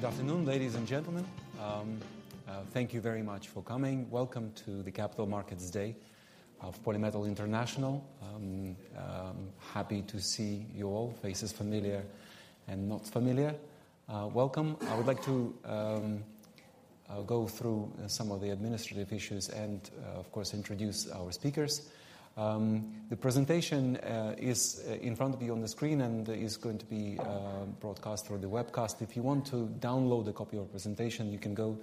Good afternoon, ladies and gentlemen. Thank you very much for coming. Welcome to the Capital Markets Day of Polymetal International. Happy to see you all, faces familiar and not familiar. Welcome. I would like to go through some of the administrative issues and of course, introduce our speakers. The presentation is in front of you on the screen and is going to be broadcast through the webcast. If you want to download a copy of presentation, you can go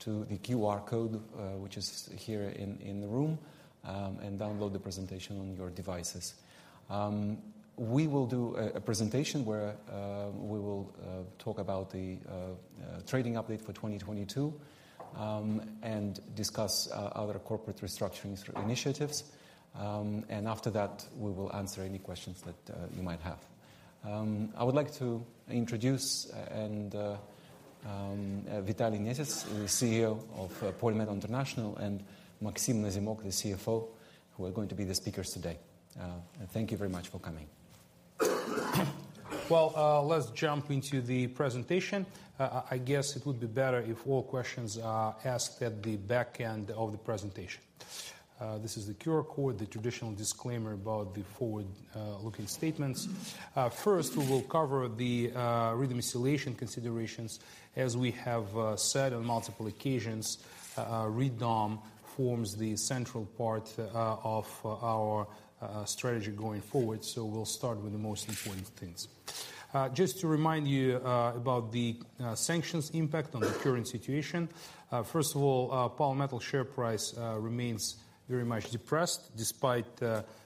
to the QR code, which is here in the room, and download the presentation on your devices. We will do a presentation where we will talk about the trading update for 2022 and discuss other corporate restructuring initiatives. After that, we will answer any questions that you might have. I would like to introduce Vitaly Nesis, the CEO of Polymetal International, and Maxim Nazimok, the CFO, who are going to be the speakers today. Thank you very much for coming. Let's jump into the presentation. I guess it would be better if all questions are asked at the back end of the presentation. This is the QR code, the traditional disclaimer about the forward-looking statements. First, we will cover the redomiciliation considerations. As we have said on multiple occasions, redom forms the central part of our strategy going forward, so we'll start with the most important things. Just to remind you about the sanctions impact on the current situation. First of all, Polymetal share price remains very much depressed. Despite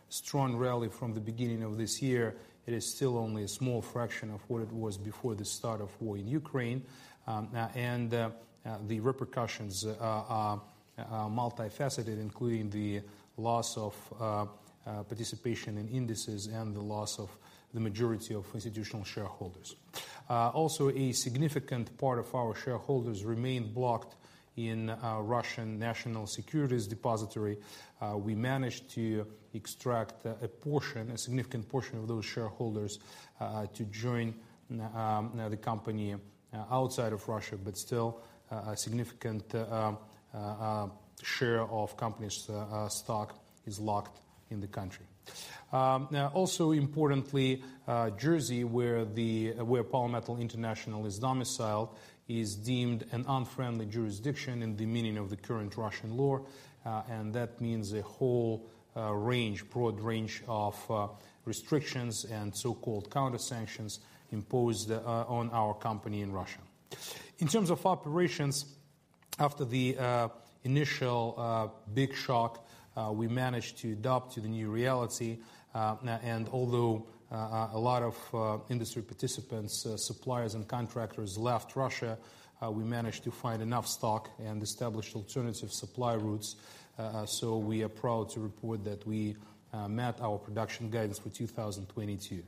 strong rally from the beginning of this year, it is still only a small fraction of what it was before the start of war in Ukraine. The repercussions are multifaceted, including the loss of participation in indices and the loss of the majority of institutional shareholders. Also a significant part of our shareholders remain blocked in Russian National Securities Depository. We managed to extract a portion, a significant portion of those shareholders, to join the company outside of Russia, but still a significant share of company's stock is locked in the country. Also importantly, Jersey, where Polymetal International is domiciled, is deemed an unfriendly jurisdiction in the meaning of the current Russian law, and that means a whole, broad range of restrictions and so-called counter-sanctions imposed on our company in Russia. In terms of operations, after the initial big shock, we managed to adapt to the new reality. Although a lot of industry participants, suppliers and contractors left Russia, we managed to find enough stock and establish alternative supply routes. We are proud to report that we met our production guidance for 2022.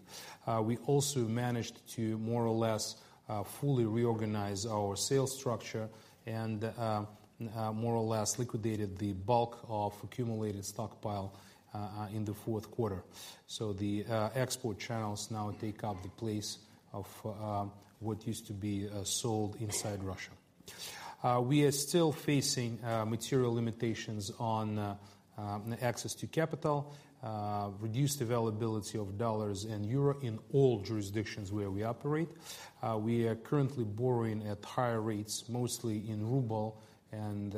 We also managed to more or less fully reorganize our sales structure and more or less liquidated the bulk of accumulated stockpile in the fourth quarter. The export channels now take up the place of what used to be sold inside Russia. We are still facing material limitations on access to capital, reduced availability of dollars and euro in all jurisdictions where we operate. We are currently borrowing at higher rates, mostly in ruble and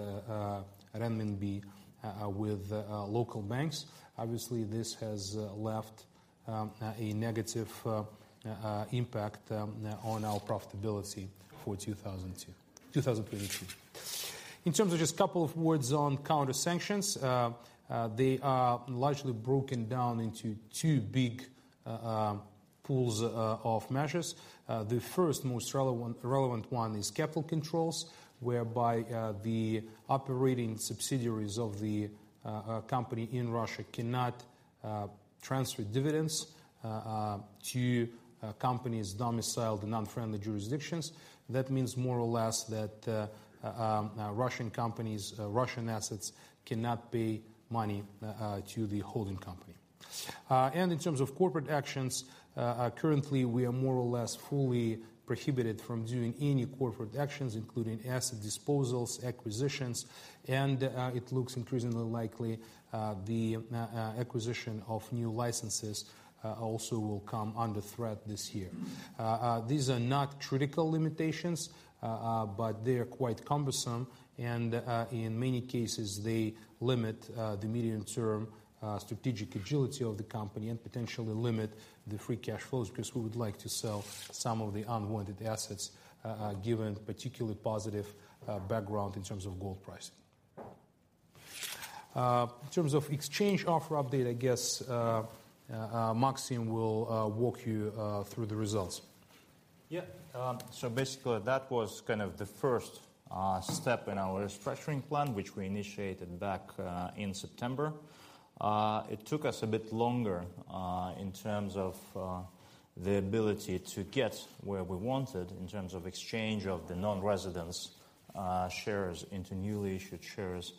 renminbi with local banks. Obviously, this has left a negative impact on our profitability for 2022. In terms of just a couple of words on counter-sanctions, they are largely broken down into two big pools of measures. The first most relevant one is capital controls, whereby the operating subsidiaries of the company in Russia cannot transfer dividends to companies domiciled in non-friendly jurisdictions. That means more or less that Russian companies, Russian assets cannot pay money to the holding company. In terms of corporate actions, currently, we are more or less fully prohibited from doing any corporate actions, including asset disposals, acquisitions, and it looks increasingly likely, the acquisition of new licenses, also will come under threat this year. These are not critical limitations, but they are quite cumbersome. In many cases, they limit the medium-term strategic agility of the company and potentially limit the free cash flows, because we would like to sell some of the unwanted assets, given particularly positive background in terms of gold pricing. In terms of exchange offer update, I guess, Maxim will walk you through the results. Basically, that was kind of the first step in our restructuring plan, which we initiated back in September. It took us a bit longer in terms of the ability to get where we wanted in terms of exchange of the non-residents shares into newly issued shares.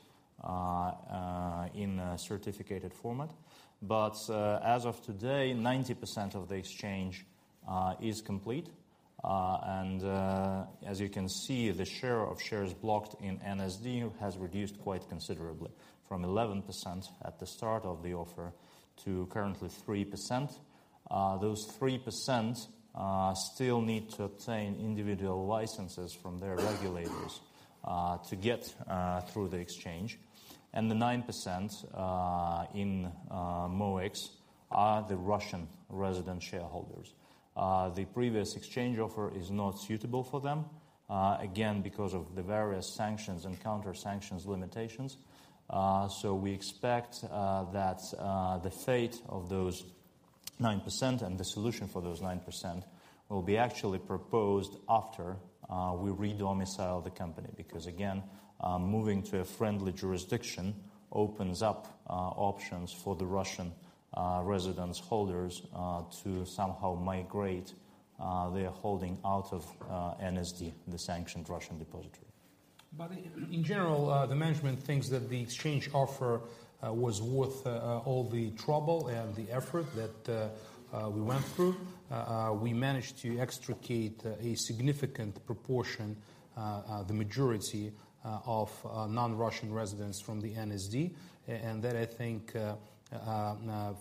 In a certificated format. As of today, 90% of the exchange is complete. As you can see, the share of shares blocked in NSD has reduced quite considerably from 11% at the start of the offer to currently 3%. Those 3% still need to obtain individual licenses from their regulators to get through the exchange. The 9% in MOEX are the Russian resident shareholders. The previous exchange offer is not suitable for them again, because of the various sanctions and counter-sanctions limitations. We expect that the fate of those 9% and the solution for those 9% will be actually proposed after we redomicile the company. Again, moving to a friendly jurisdiction opens up options for the Russian residence holders to somehow migrate their holding out of NSD, the sanctioned Russian depository. In general, the management thinks that the exchange offer was worth all the trouble and the effort that we went through. We managed to extricate a significant proportion, the majority, of non-Russian residents from the NSD. That I think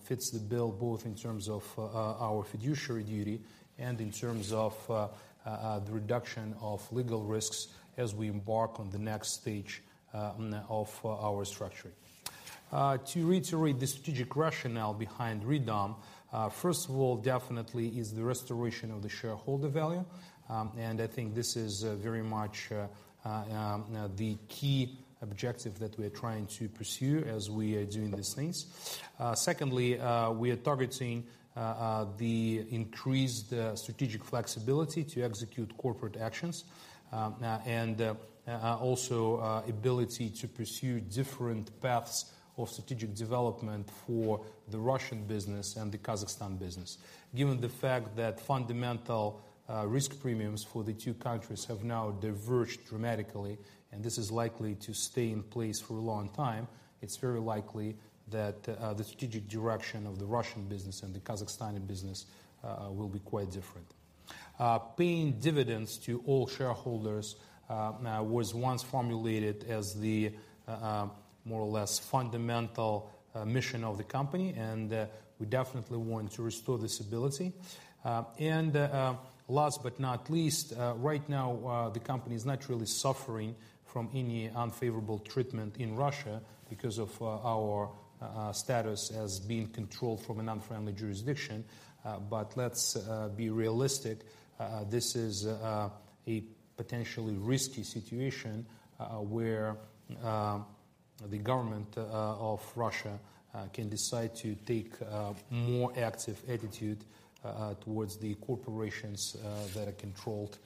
fits the bill both in terms of our fiduciary duty and in terms of the reduction of legal risks as we embark on the next stage of our structuring. To reiterate the strategic rationale behind redomiciliation, first of all, definitely is the restoration of the shareholder value. I think this is very much the key objective that we're trying to pursue as we are doing these things. Secondly, we are targeting the increased strategic flexibility to execute corporate actions and also ability to pursue different paths of strategic development for the Russian business and the Kazakhstan business. Given the fact that fundamental risk premiums for the 2 countries have now diverged dramatically, and this is likely to stay in place for a long time, it's very likely that the strategic direction of the Russian business and the Kazakhstani business will be quite different. Paying dividends to all shareholders was once formulated as the more or less fundamental mission of the company, and we definitely want to restore this ability. Last but not least, right now, the company is naturally suffering from any unfavorable treatment in Russia because of our status as being controlled from an unfriendly jurisdiction. Let's be realistic. This is a potentially risky situation where the government of Russia can decide to take a more active attitude towards the corporations that are controlled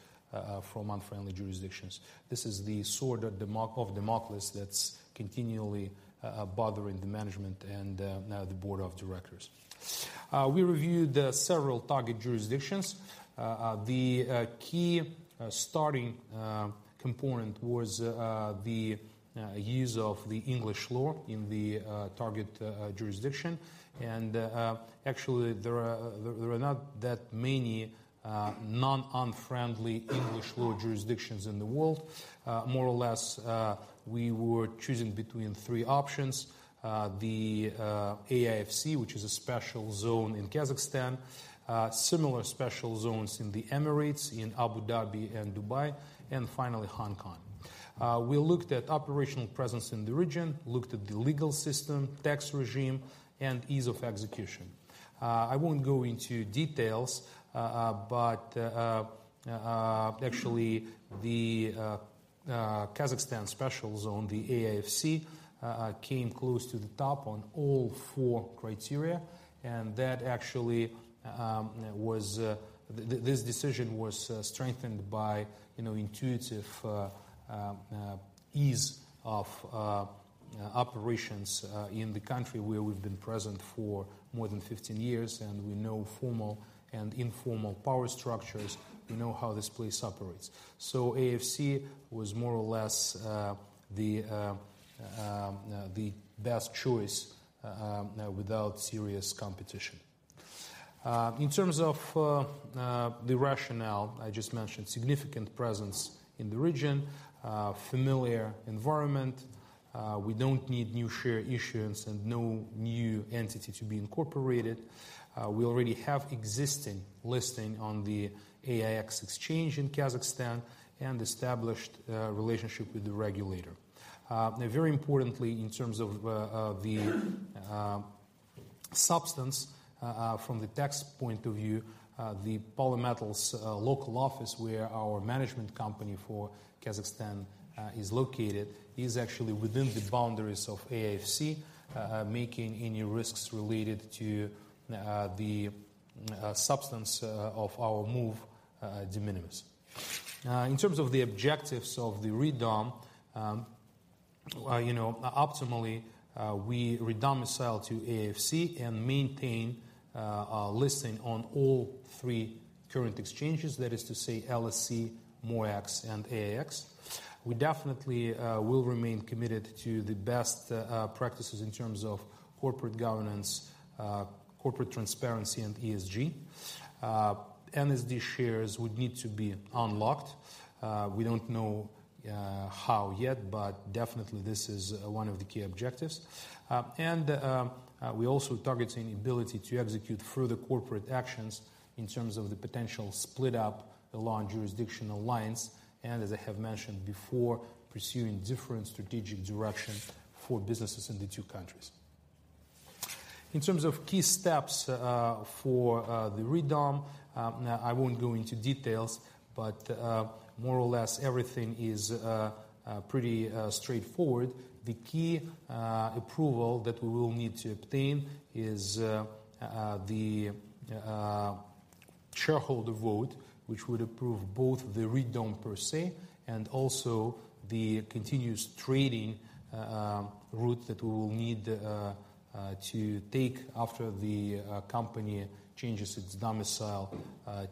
from unfriendly jurisdictions. This is the sword of Damocles that's continually bothering the management and the board of directors. We reviewed several target jurisdictions. The key starting component was the use of the English law in the target jurisdiction. Actually, there are not that many non-unfriendly English law jurisdictions in the world. More or less, we were choosing between 3 options. The AIFC, which is a special zone in Kazakhstan, similar special zones in the Emirates, in Abu Dhabi and Dubai, and finally, Hong Kong. We looked at operational presence in the region, looked at the legal system, tax regime, and ease of execution. I won't go into details, but actually, the Kazakhstan special zone, the AIFC, came close to the top on all 4 criteria, and that actually this decision was strengthened by, you know, intuitive ease of operations in the country where we've been present for more than 15 years, and we know formal and informal power structures. We know how this place operates. AIFC was more or less the best choice without serious competition. In terms of the rationale, I just mentioned significant presence in the region, familiar environment. We don't need new share issuance and no new entity to be incorporated. We already have existing listing on the AIX exchange in Kazakhstan and established relationship with the regulator. Very importantly, in terms of the substance, from the tax point of view, the Polymetal's local office, where our management company for Kazakhstan, is located, is actually within the boundaries of AIFC, making any risks related to the substance of our move de minimis. In terms of the objectives of the redomiciliation, you know, optimally, we redomicile to AIFC and maintain a listing on all three current exchanges. That is to say, LSE, MOEX, and AIX. We definitely will remain committed to the best practices in terms of corporate governance, corporate transparency, and ESG. NSD shares would need to be unlocked. We don't know how yet, but definitely this is one of the key objectives. We're also targeting the ability to execute further corporate actions in terms of the potential split up along jurisdictional lines, and as I have mentioned before, pursuing different strategic direction for businesses in the two countries. In terms of key steps for the redom, I won't go into details, but more or less everything is pretty straightforward. The key approval that we will need to obtain is the shareholder vote, which would approve both the Red-om per se and also the continuous trading route that we will need to take after the company changes its domicile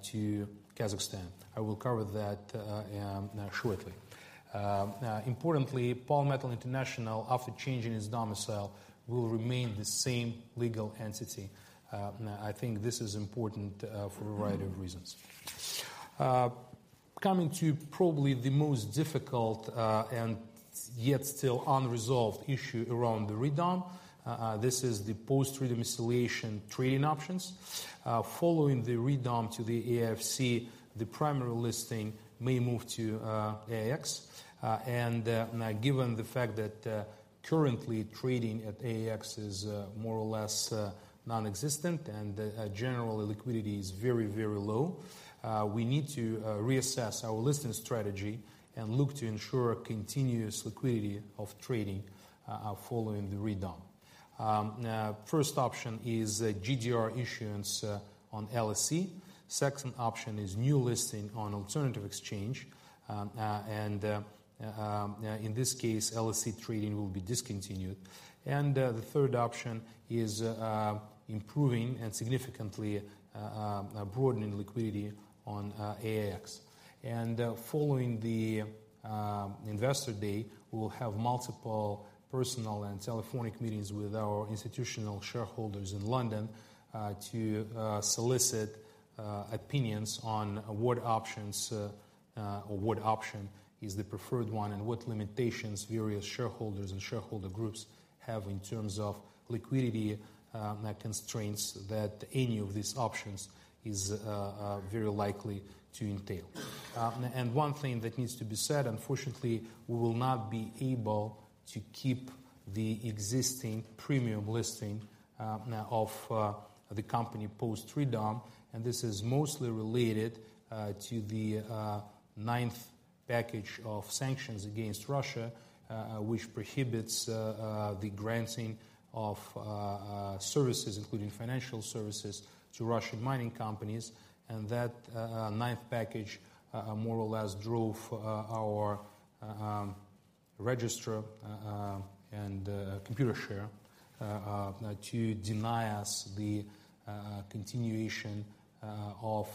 to Kazakhstan. I will cover that shortly. Importantly, Polymetal International, after changing its domicile, will remain the same legal entity. I think this is important for a variety of reasons. Coming to probably the most difficult and yet still unresolved issue around the redom, this is the post-redomiciliation trading options. Following the redom to the AIFC, the primary listing may move to AIX. Given the fact that currently trading at AIX is more or less non-existent and general liquidity is very, very low, we need to reassess our listing strategy and look to ensure continuous liquidity of trading following the redom. First option is GDR issuance on LSE. Second option is new listing on alternative exchange. In this case, LSE trading will be discontinued. The third option is improving and significantly broadening liquidity on AIX. Following the investor day, we will have multiple personal and telephonic meetings with our institutional shareholders in London to solicit opinions on what options or what option is the preferred one and what limitations various shareholders and shareholder groups have in terms of liquidity constraints that any of these options is very likely to entail. One thing that needs to be said, unfortunately, we will not be able to keep the existing premium listing of the company post-redom. This is mostly related to the ninth package of sanctions against Russia, which prohibits the granting of services, including financial services, to Russian mining companies. That ninth package more or less drove our registrar and Computershare to deny us the continuation of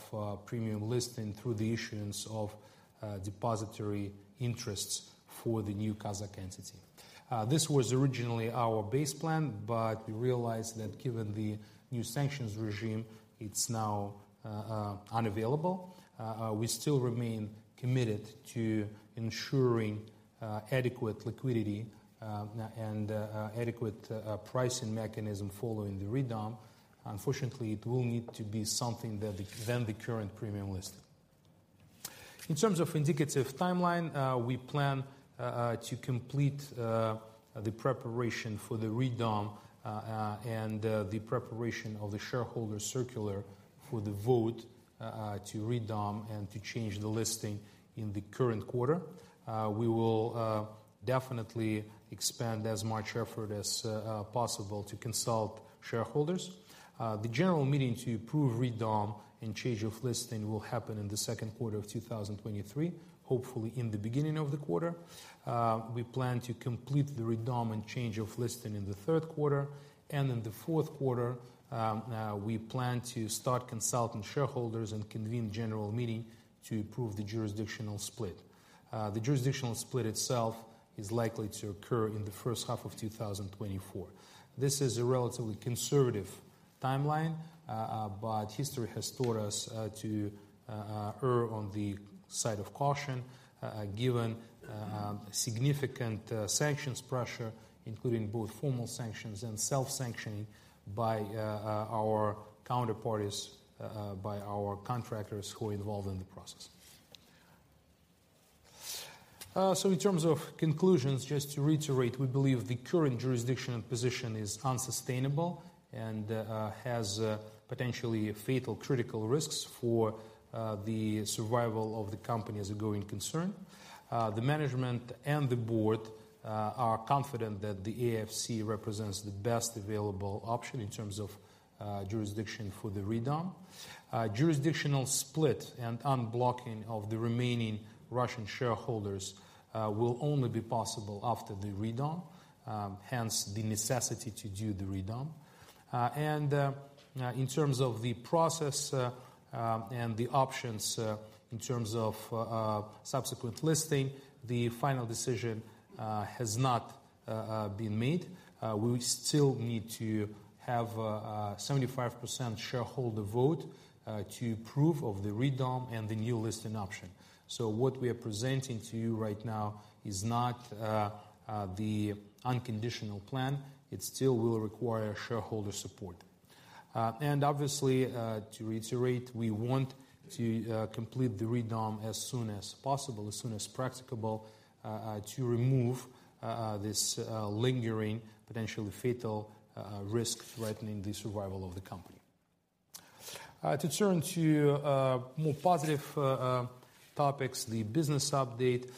premium listing through the issuance of depository interests for the new Kazakh entity. This was originally our base plan, but we realized that given the new sanctions regime, it's now unavailable. We still remain committed to ensuring adequate liquidity and adequate pricing mechanism following the redom. Unfortunately, it will need to be something than the current premium listing. In terms of indicative timeline, we plan to complete the preparation for the redom and the preparation of the shareholder circular for the vote to redom and to change the listing in the current quarter. We will definitely expand as much effort as possible to consult shareholders. The general meeting to approve redom and change of listing will happen in the 2nd quarter of 2023, hopefully in the beginning of the quarter. We plan to complete the redom and change of listing in the third quarter. In the fourth quarter, we plan to start consulting shareholders and convene general meeting to approve the jurisdictional split. The jurisdictional split itself is likely to occur in the first half of 2024. This is a relatively conservative timeline, but history has taught us to err on the side of caution, given significant sanctions pressure, including both formal sanctions and self-sanctioning by our counterparties, by our contractors who are involved in the process. In terms of conclusions, just to reiterate, we believe the current jurisdictional position is unsustainable and has potentially fatal critical risks for the survival of the company as a growing concern. The management and the board are confident that the AIFC represents the best available option in terms of jurisdiction for the redom. Jurisdictional split and unblocking of the remaining Russian shareholders will only be possible after the redom, hence the necessity to do the redom. In terms of the process and the options in terms of subsequent listing, the final decision has not been made. We still need to have 75% shareholder vote to approve of the redom and the new listing option. What we are presenting to you right now is not the unconditional plan. It still will require shareholder support. Obviously, to reiterate, we want to complete the redom as soon as possible, as soon as practicable, to remove this lingering potentially fatal risk threatening the survival of the company. To turn to more positive topics, the business update.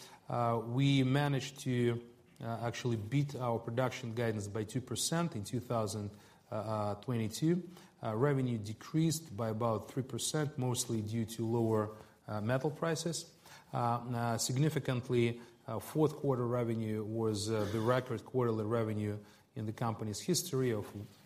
We managed to actually beat our production guidance by 2% in 2022. Revenue decreased by about 3%, mostly due to lower metal prices. Significantly, fourth quarter revenue was the record quarterly revenue in the company's history of,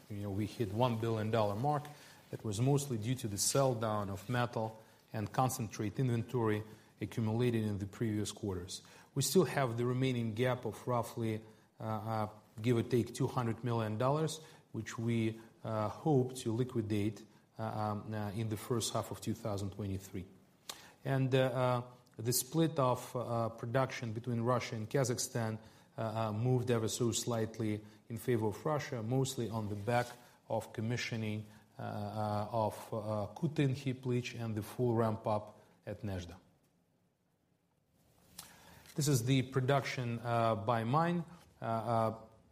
you know, we hit $1 billion mark. That was mostly due to the sell-down of metal and concentrate inventory accumulated in the previous quarters. We still have the remaining gap of roughly give or take $200 million, which we hope to liquidate in the first half of 2023. The split of production between Russia and Kazakhstan moved ever so slightly in favor of Russia, mostly on the back of commissioning of Kutyn heap leach and the full ramp up at Nezhda. This is the production by mine.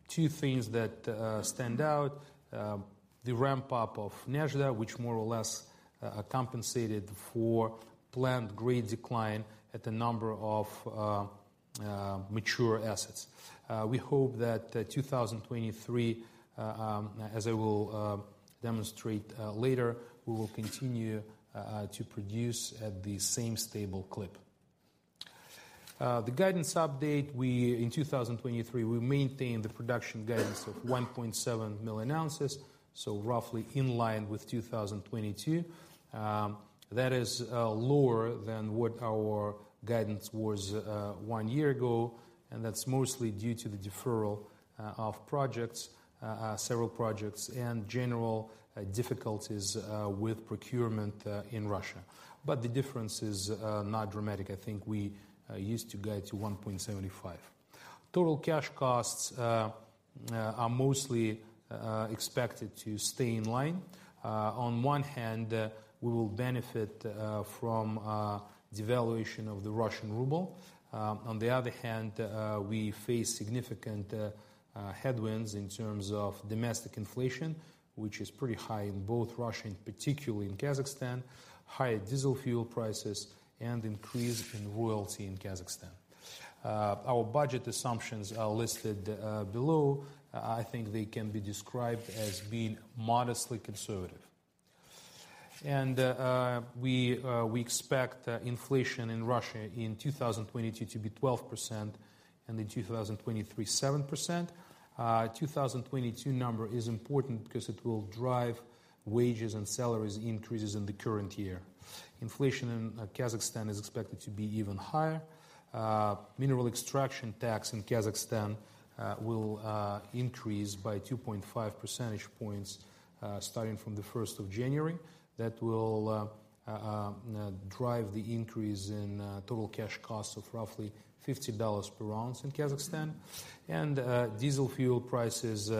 Two things that stand out, the ramp up of Nezhda, which more or less compensated for planned grade decline at a number of mature assets. We hope that 2023, as I will demonstrate later, we will continue to produce at the same stable clip. The guidance update, we in 2023, we maintain the production guidance of 1.7 million ounces, so roughly in line with 2022. That is lower than what our guidance was 1 year ago, and that's mostly due to the deferral of projects, several projects and general difficulties with procurement in Russia. The difference is not dramatic. I think we used to guide to $1.75. Total Cash Costs are mostly expected to stay in line. On one hand, we will benefit from devaluation of the Russian RUB. On the other hand, we face significant headwinds in terms of domestic inflation, which is pretty high in both Russia and particularly in Kazakhstan, high diesel fuel prices, and increase in royalty in Kazakhstan. Our budget assumptions are listed below. I think they can be described as being modestly conservative. We expect inflation in Russia in 2022 to be 12% and in 2023, 7%. 2022 number is important because it will drive wages and salaries increases in the current year. Inflation in Kazakhstan is expected to be even higher. Mineral extraction tax in Kazakhstan will increase by 2.5 percentage points starting from the 1st of January. That will drive the increase in total cash costs of roughly $50 per ounce in Kazakhstan. Diesel fuel prices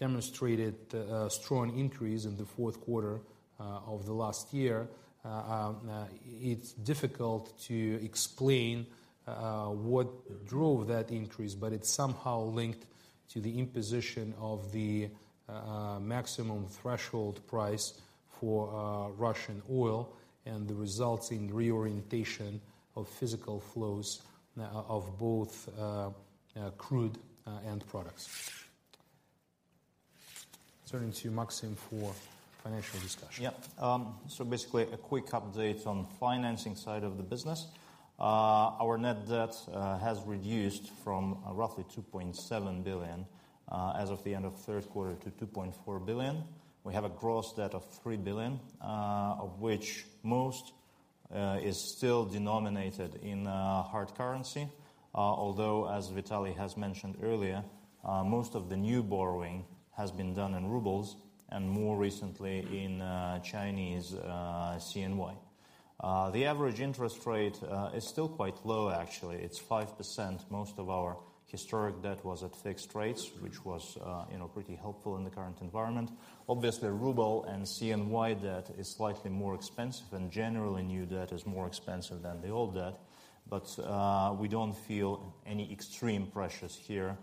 demonstrated a strong increase in the fourth quarter of the last year. It's difficult to explain what drove that increase. It's somehow linked to the imposition of the maximum threshold price for Russian oil and the resulting reorientation of physical flows of both crude end products. Turning to Maxim for financial discussion. Basically a quick update on financing side of the business. Our net debt has reduced from roughly $2.7 billion as of the end of third quarter to $2.4 billion. We have a gross debt of $3 billion, of which most is still denominated in hard currency. Although, as Vitaly Nesis has mentioned earlier, most of the new borrowing has been done in rubles and more recently in Chinese CNY. The average interest rate is still quite low, actually. It's 5%. Most of our historic debt was at fixed rates, which was, you know, pretty helpful in the current environment. Obviously, ruble and CNY debt is slightly more expensive, and generally new debt is more expensive than the old debt. We don't feel any extreme pressures here,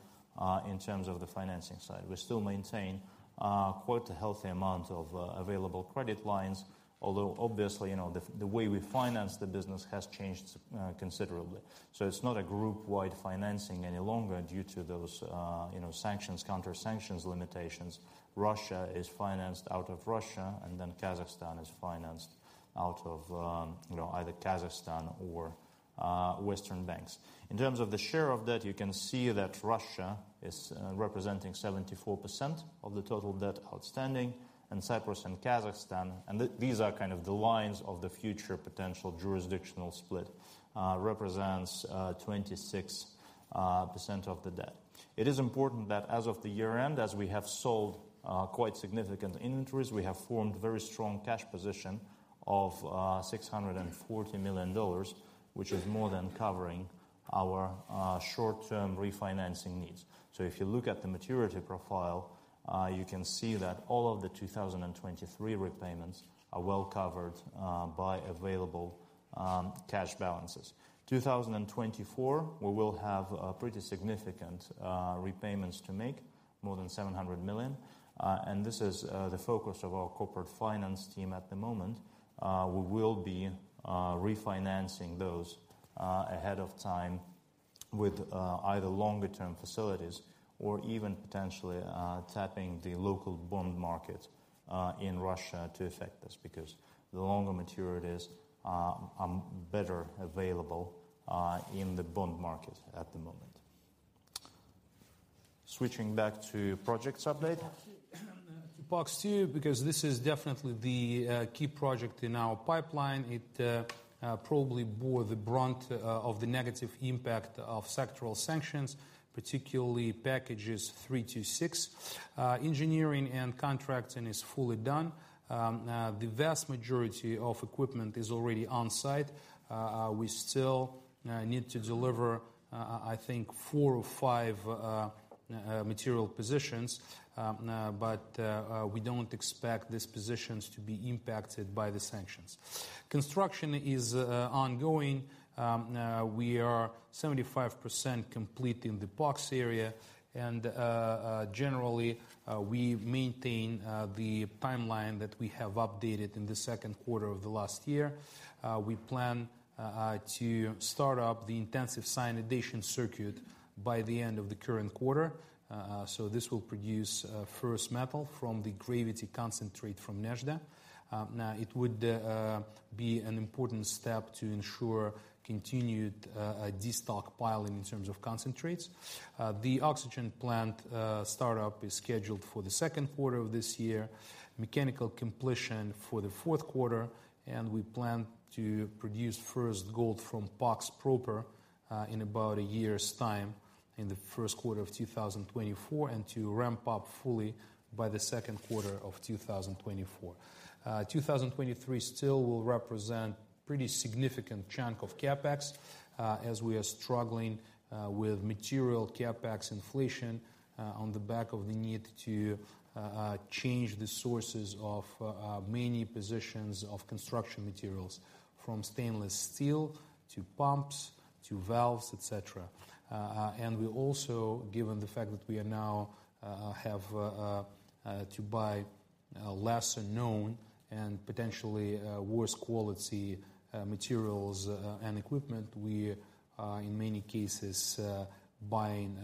in terms of the financing side. We still maintain quite a healthy amount of available credit lines, although obviously, you know, the way we finance the business has changed considerably. It's not a group-wide financing any longer due to those, you know, sanctions, counter-sanctions limitations. Russia is financed out of Russia, and then Kazakhstan is financed out of, you know, either Kazakhstan or Western banks. In terms of the share of debt, you can see that Russia is representing 74% of the total debt outstanding, and Cyprus and Kazakhstan, and these are kind of the lines of the future potential jurisdictional split, represents 26% of the debt. It is important that as of the year-end, as we have sold, quite significant inventories, we have formed very strong cash position of, $640 million, which is more than covering. Our short-term refinancing needs. If you look at the maturity profile, you can see that all of the 2023 repayments are well covered by available cash balances. 2024, we will have a pretty significant repayments to make, more than $700 million. This is the focus of our corporate finance team at the moment. We will be refinancing those ahead of time with either longer-term facilities or even potentially tapping the local bond market in Russia to effect this because the longer maturities are better available in the bond market at the moment. Switching back to projects update. To POX-2 because this is definitely the key project in our pipeline. It probably bore the brunt of the negative impact of sectoral sanctions, particularly packages three to six. Engineering and contracting is fully done. The vast majority of equipment is already on-site. We still need to deliver, I think four or five material positions, but we don't expect these positions to be impacted by the sanctions. Construction is ongoing. We are 75% complete in the POX area and generally we maintain the timeline that we have updated in the second quarter of the last year. We plan to start up the intensive cyanidation circuit by the end of the current quarter. This will produce first metal from the gravity concentrate from Nezhda. It would be an important step to ensure continued destockpiling in terms of concentrates. The oxygen plant startup is scheduled for the second quarter of this year, mechanical completion for the fourth quarter, and we plan to produce first gold from POX proper in about a year's time in the first quarter of 2024 and to ramp up fully by the second quarter of 2024. 2023 still will represent pretty significant chunk of CapEx as we are struggling with material CapEx inflation on the back of the need to change the sources of many positions of construction materials from stainless steel to pumps to valves, et cetera. We also, given the fact that we are now, have to buy lesser-known and potentially worse quality materials and equipment, we are in many cases, buying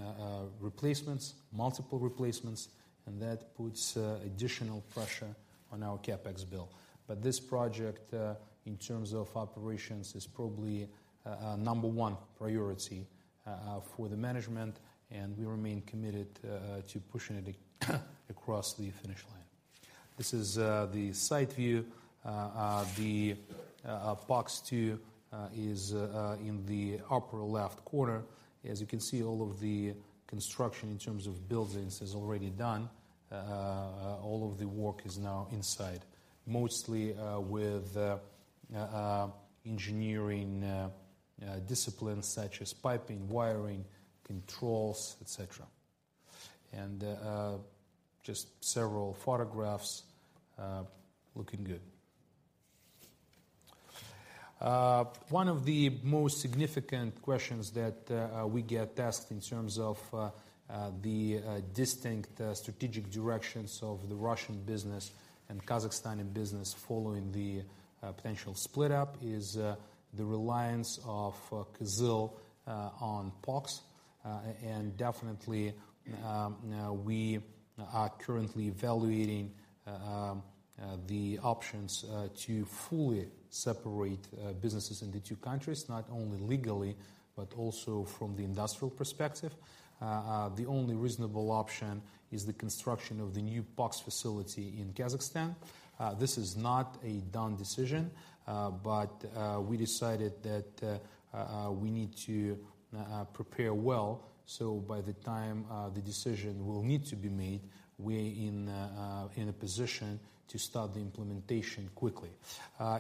replacements, multiple replacements, and that puts additional pressure on our CapEx bill. This project, in terms of operations, is probably a number 1 priority for the management, and we remain committed to pushing it across the finish line. This is the site view. The POX-2 is in the upper left corner. As you can see, all of the construction in terms of buildings is already done. All of the work is now inside, mostly with engineering disciplines such as piping, wiring, controls, et cetera. Just several photographs, looking good. One of the most significant questions that we get asked in terms of the distinct strategic directions of the Russian business and Kazakhstani business following the potential split up is the reliance of Kyzyl on POX. Definitely, we are currently evaluating the options to fully separate businesses in the two countries, not only legally, but also from the industrial perspective. The only reasonable option is the construction of the new POX facility in Kazakhstan. This is not a done decision. We decided that we need to prepare well, so by the time the decision will need to be made, we're in a position to start the implementation quickly.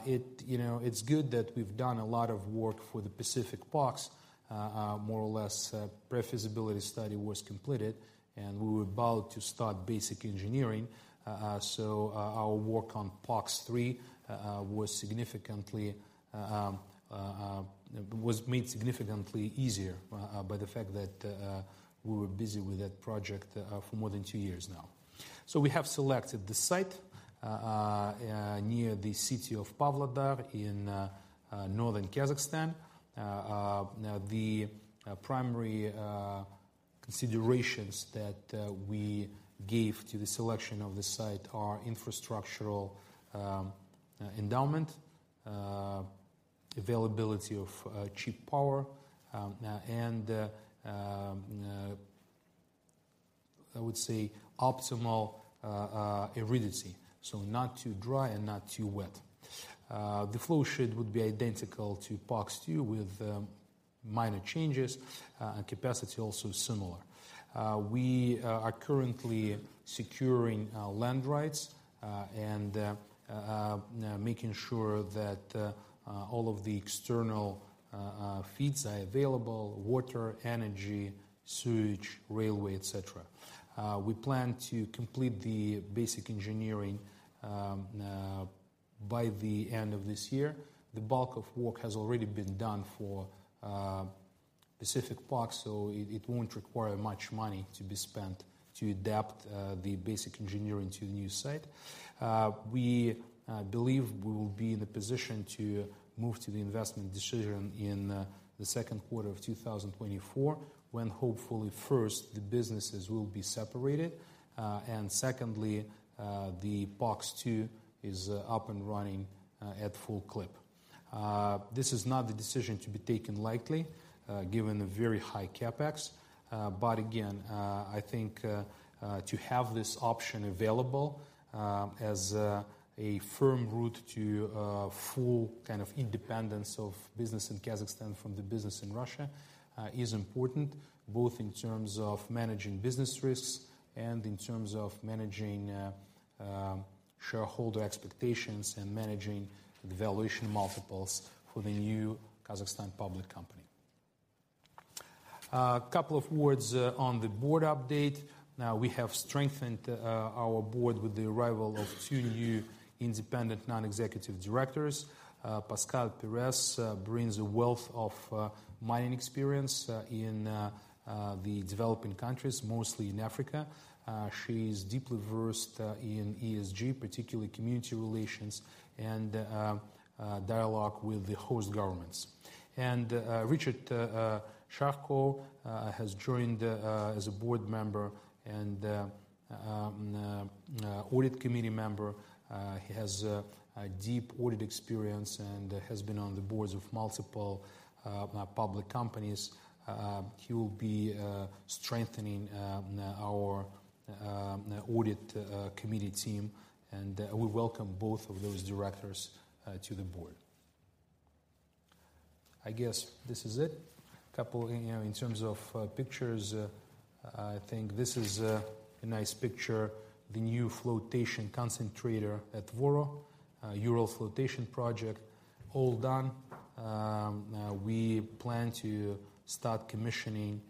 It, you know, it's good that we've done a lot of work for the Pacific POX. More or less, pre-feasibility study was completed, and we were about to start basic engineering. Our work on POX-3 was made significantly easier by the fact that we were busy with that project for more than two years now. We have selected the site near the city of Pavlodar in northern Kazakhstan. Now the primary considerations that we gave to the selection of the site are infrastructural endowment, availability of cheap power, and I would say optimal aridity. Not too dry and not too wet. The flow sheet would be identical to POX-2 with minor changes. Capacity also similar. We are currently securing land rights and making sure that all of the external feeds are available, water, energy, sewage, railway, et cetera. We plan to complete the basic engineering by the end of this year. The bulk of work has already been done for Pacific POX, so it won't require much money to be spent to adapt the basic engineering to the new site. We believe we will be in a position to move to the investment decision in the second quarter of 2024, when hopefully first, the businesses will be separated. Secondly, the POX-2 is up and running at full clip. This is not a decision to be taken lightly, given the very high CapEx. Again, I think to have this option available as a firm route to full kind of independence of business in Kazakhstan from the business in Russia is important. Both in terms of managing business risks and in terms of managing shareholder expectations and managing the valuation multiples for the new Kazakhstan public company. A couple of words on the board update. We have strengthened our board with the arrival of two new independent non-executive directors. Pascale Perez brings a wealth of mining experience in the developing countries, mostly in Africa. She's deeply versed in ESG, particularly community relations and dialogue with the host governments. Richard Sharko has joined as a board member and audit committee member. He has a deep audit experience and has been on the boards of multiple public companies. He will be strengthening our audit committee team. We welcome both of those directors to the board. I guess this is it. Couple of, you know, in terms of pictures, I think this is a nice picture. The new flotation concentrator at Voro. Euro flotation project all done. We plan to start commissioning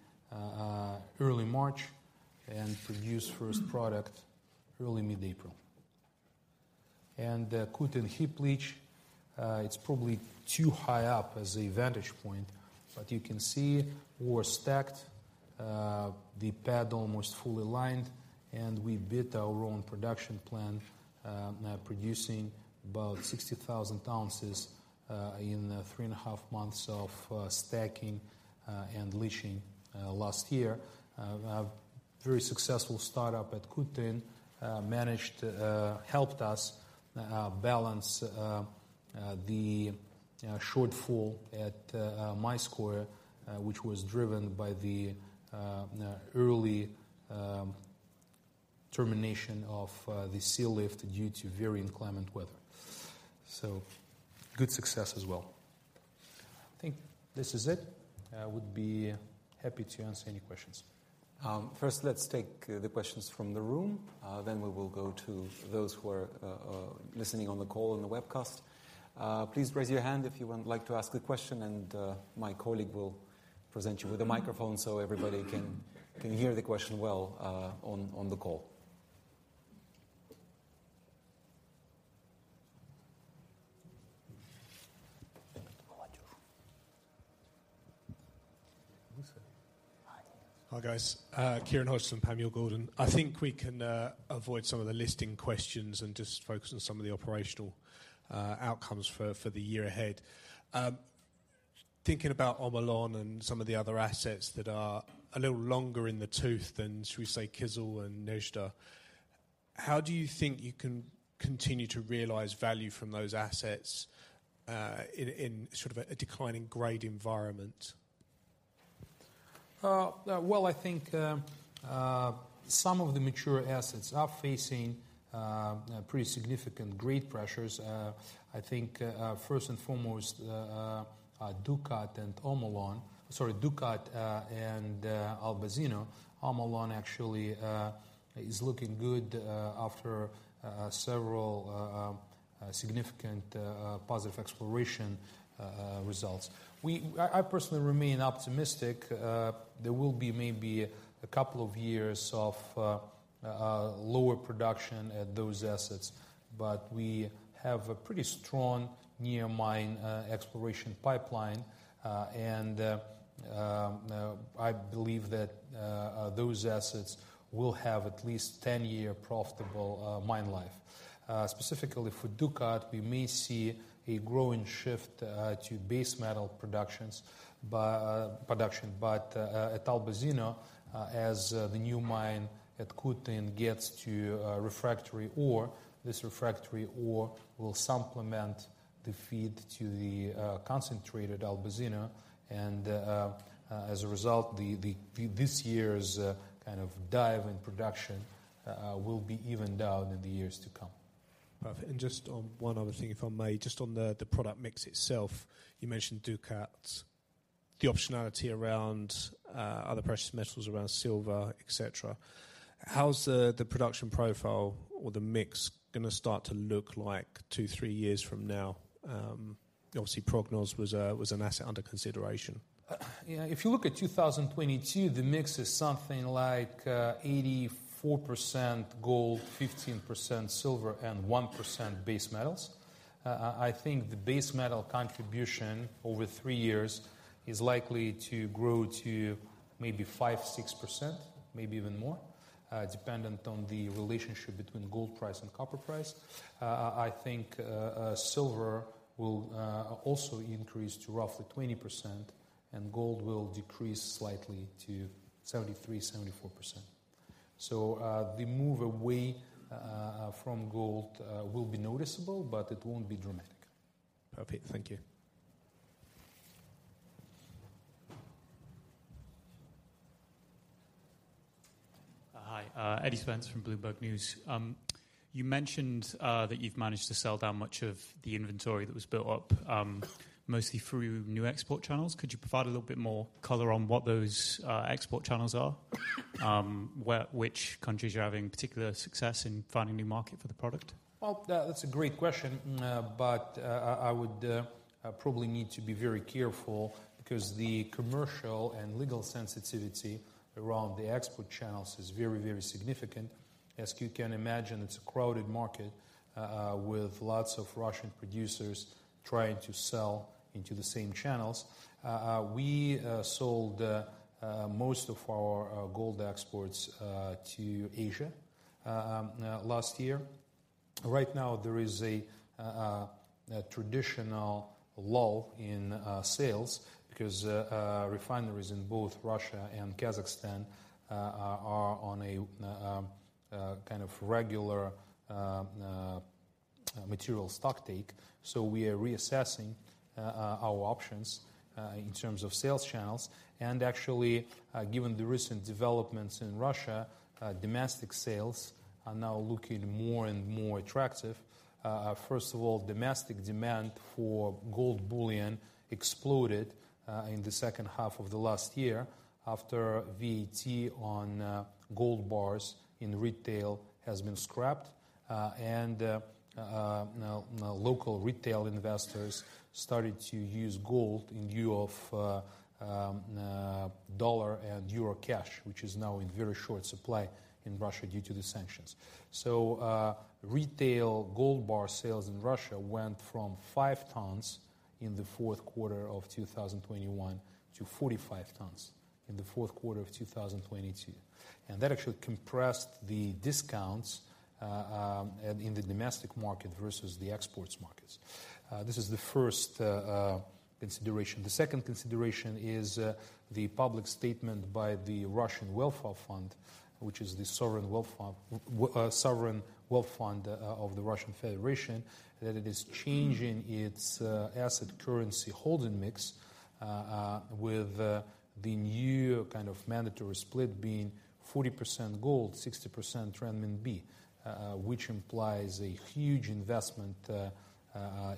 early March and produce first product early-mid-April. The Kutyn heap leach, it's probably too high up as a percentage point. You can see ore stacked, the pad almost fully lined, and we beat our own production plan, producing about 60,000 ounces in three and a half months of stacking and leaching last year. A very successful startup at Kutyn managed to help us balance the shortfall at Mayskoye, which was driven by the early termination of the sealift due to very inclement weather. Good success as well. I think this is it. I would be happy to answer any questions. First let's take the questions from the room, then we will go to those who are listening on the call and the webcast. Please raise your hand if you would like to ask a question, and my colleague will present you with a microphone so everybody can hear the question well, on the call. Hi, guys. Kieron Hodgson, Panmure Gordon. I think we can avoid some of the listing questions and just focus on some of the operational outcomes for the year ahead. Thinking about Omolon and some of the other assets that are a little longer in the tooth than, shall we say, Kyzyl and Nezhda. How do you think you can continue to realize value from those assets, in sort of a declining grade environment? Well, I think some of the mature assets are facing pretty significant grade pressures. I think, first and foremost, Dukat and Omolon. Sorry, Dukat, and Albazino. Omolon actually is looking good after several significant positive exploration results. I personally remain optimistic. There will be maybe a couple of years of lower production at those assets. We have a pretty strong near mine exploration pipeline. I believe that those assets will have at least 10-year profitable mine life. Specifically for Dukat, we may see a growing shift to base metal productions by production. At Albazino, as the new mine at Kutyn gets to refractory ore, this refractory ore will supplement the feed to the concentrate at Albazino. As a result, this year's kind of dive in production, will be evened out in the years to come. Perfect. Just on one other thing, if I may, just on the product mix itself, you mentioned Dukat, the optionality around other precious metals, around silver, et cetera. How's the production profile or the mix gonna start to look like two, three years from now? Obviously Prognoz was a, was an asset under consideration. Yeah, if you look at 2022, the mix is something like 84% gold, 15% silver, and 1% base metals. I think the base metal contribution over 3 years is likely to grow to maybe 5%-6%, maybe even more, dependent on the relationship between gold price and copper price. I think silver will also increase to roughly 20%, and gold will decrease slightly to 73%-74%. The move away from gold will be noticeable, but it won't be dramatic. Perfect. Thank you. Hi. Eddie Spence from Bloomberg News. You mentioned that you've managed to sell down much of the inventory that was built up, mostly through new export channels. Could you provide a little bit more color on what those export channels are? Which countries you're having particular success in finding new market for the product? Well, that's a great question. I would probably need to be very careful because the commercial and legal sensitivity around the export channels is very, very significant. As you can imagine, it's a crowded market with lots of Russian producers trying to sell into the same channels. We sold most of our gold exports to Asia last year. Right now, there is a traditional lull in sales because refineries in both Russia and Kazakhstan are on a kind of regular material stock take. We are reassessing our options in terms of sales channels. Actually, given the recent developments in Russia, domestic sales are now looking more and more attractive. First of all, domestic demand for gold bullion exploded in the second half of the last year after VAT on gold bars in retail has been scrapped. Now local retail investors started to use gold in lieu of dollar and euro cash, which is now in very short supply in Russia due to the sanctions. Retail gold bar sales in Russia went from 5 tons in the fourth quarter of 2021 to 45 tons in the fourth quarter of 2022. That actually compressed the discounts in the domestic market versus the exports markets. This is the first consideration. The second consideration is the public statement by the Russian Wealth Fund, which is the sovereign wealth fund of the Russian Federation, that it is changing its asset currency holding mix with the new kind of mandatory split being 40% gold, 60% renminbi, which implies a huge investment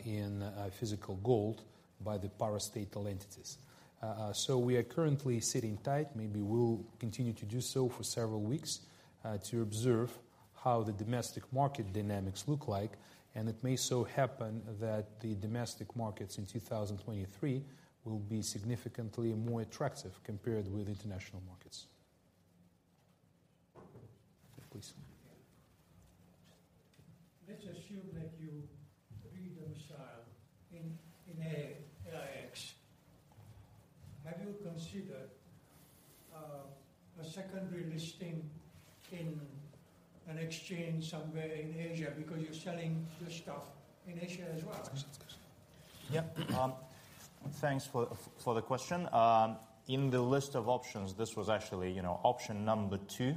in physical gold by the parastatal entities. So we are currently sitting tight. Maybe we'll continue to do so for several weeks to observe how the domestic market dynamics look like. It may so happen that the domestic markets in 2023 will be significantly more attractive compared with international markets. Please. Let's assume that you read them style in AIX. Have you considered a secondary listing in an exchange somewhere in Asia because you're selling your stuff in Asia as well? Yeah. Thanks for the question. In the list of options, this was actually, you know, option number 2.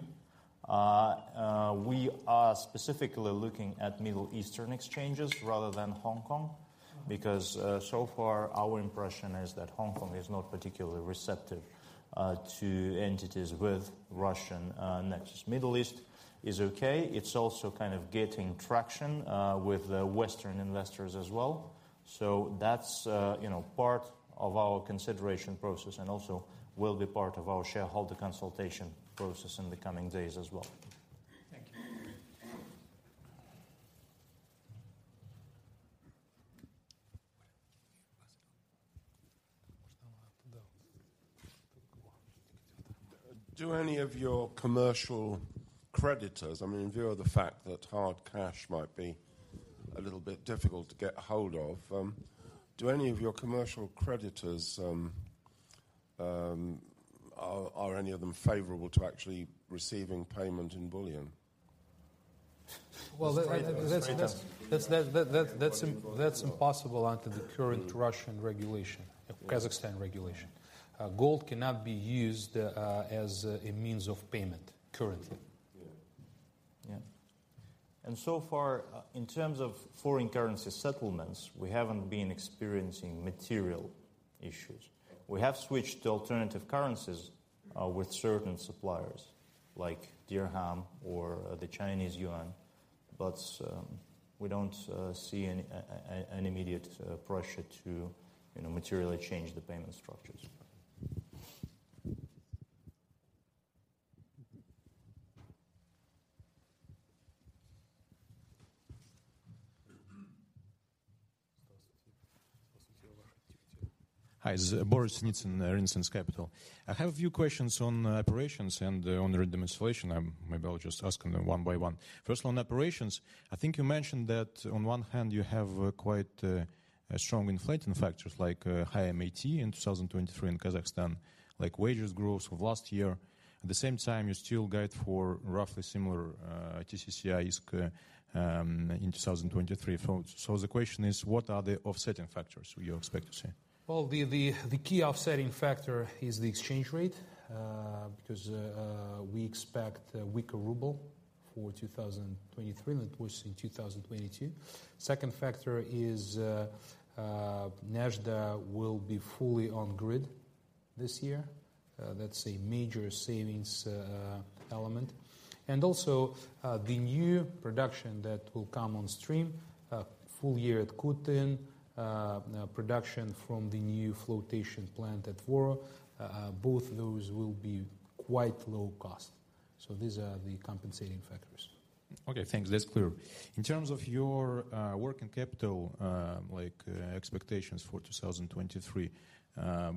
We are specifically looking at Middle Eastern exchanges rather than Hong Kong because so far our impression is that Hong Kong is not particularly receptive to entities with Russian nexus. Middle East is okay. It's also kind of getting traction with the Western investors as well. That's, you know, part of our consideration process and also will be part of our shareholder consultation process in the coming days as well. Thank you. I mean, in view of the fact that hard cash might be a little bit difficult to get a hold of, do any of your commercial creditors, are any of them favorable to actually receiving payment in billion? Well, that's impossible under the current Russian regulation, Kazakhstan regulation. Gold cannot be used as a means of payment currently. Yeah. Yeah. In terms of foreign currency settlements, we haven't been experiencing material issues. We have switched to alternative currencies, with certain suppliers like Dirham or the Chinese Yuan, but we don't see an immediate pressure to, you know, materially change the payment structures. Hi. This is Boris Sinitsyn, Renaissance Capital. I have a few questions on operations and on the demonstration. Maybe I'll just ask them one by one. First, on operations, I think you mentioned that on one hand you have quite a strong inflating factors like high MAT in 2023 in Kazakhstan, like wages growth of last year. At the same time, you still guide for roughly similar TCC in 2023. The question is, what are the offsetting factors you expect to see? Well, the key offsetting factor is the exchange rate, because we expect a weaker ruble for 2023 than it was in 2022. Second factor is, Nezhda will be fully on grid this year. That's a major savings element. The new production that will come on stream, full year at Kutyn, production from the new flotation plant at Voro, both those will be quite low cost. These are the compensating factors. Okay, thanks. That's clear. In terms of your working capital expectations for 2023,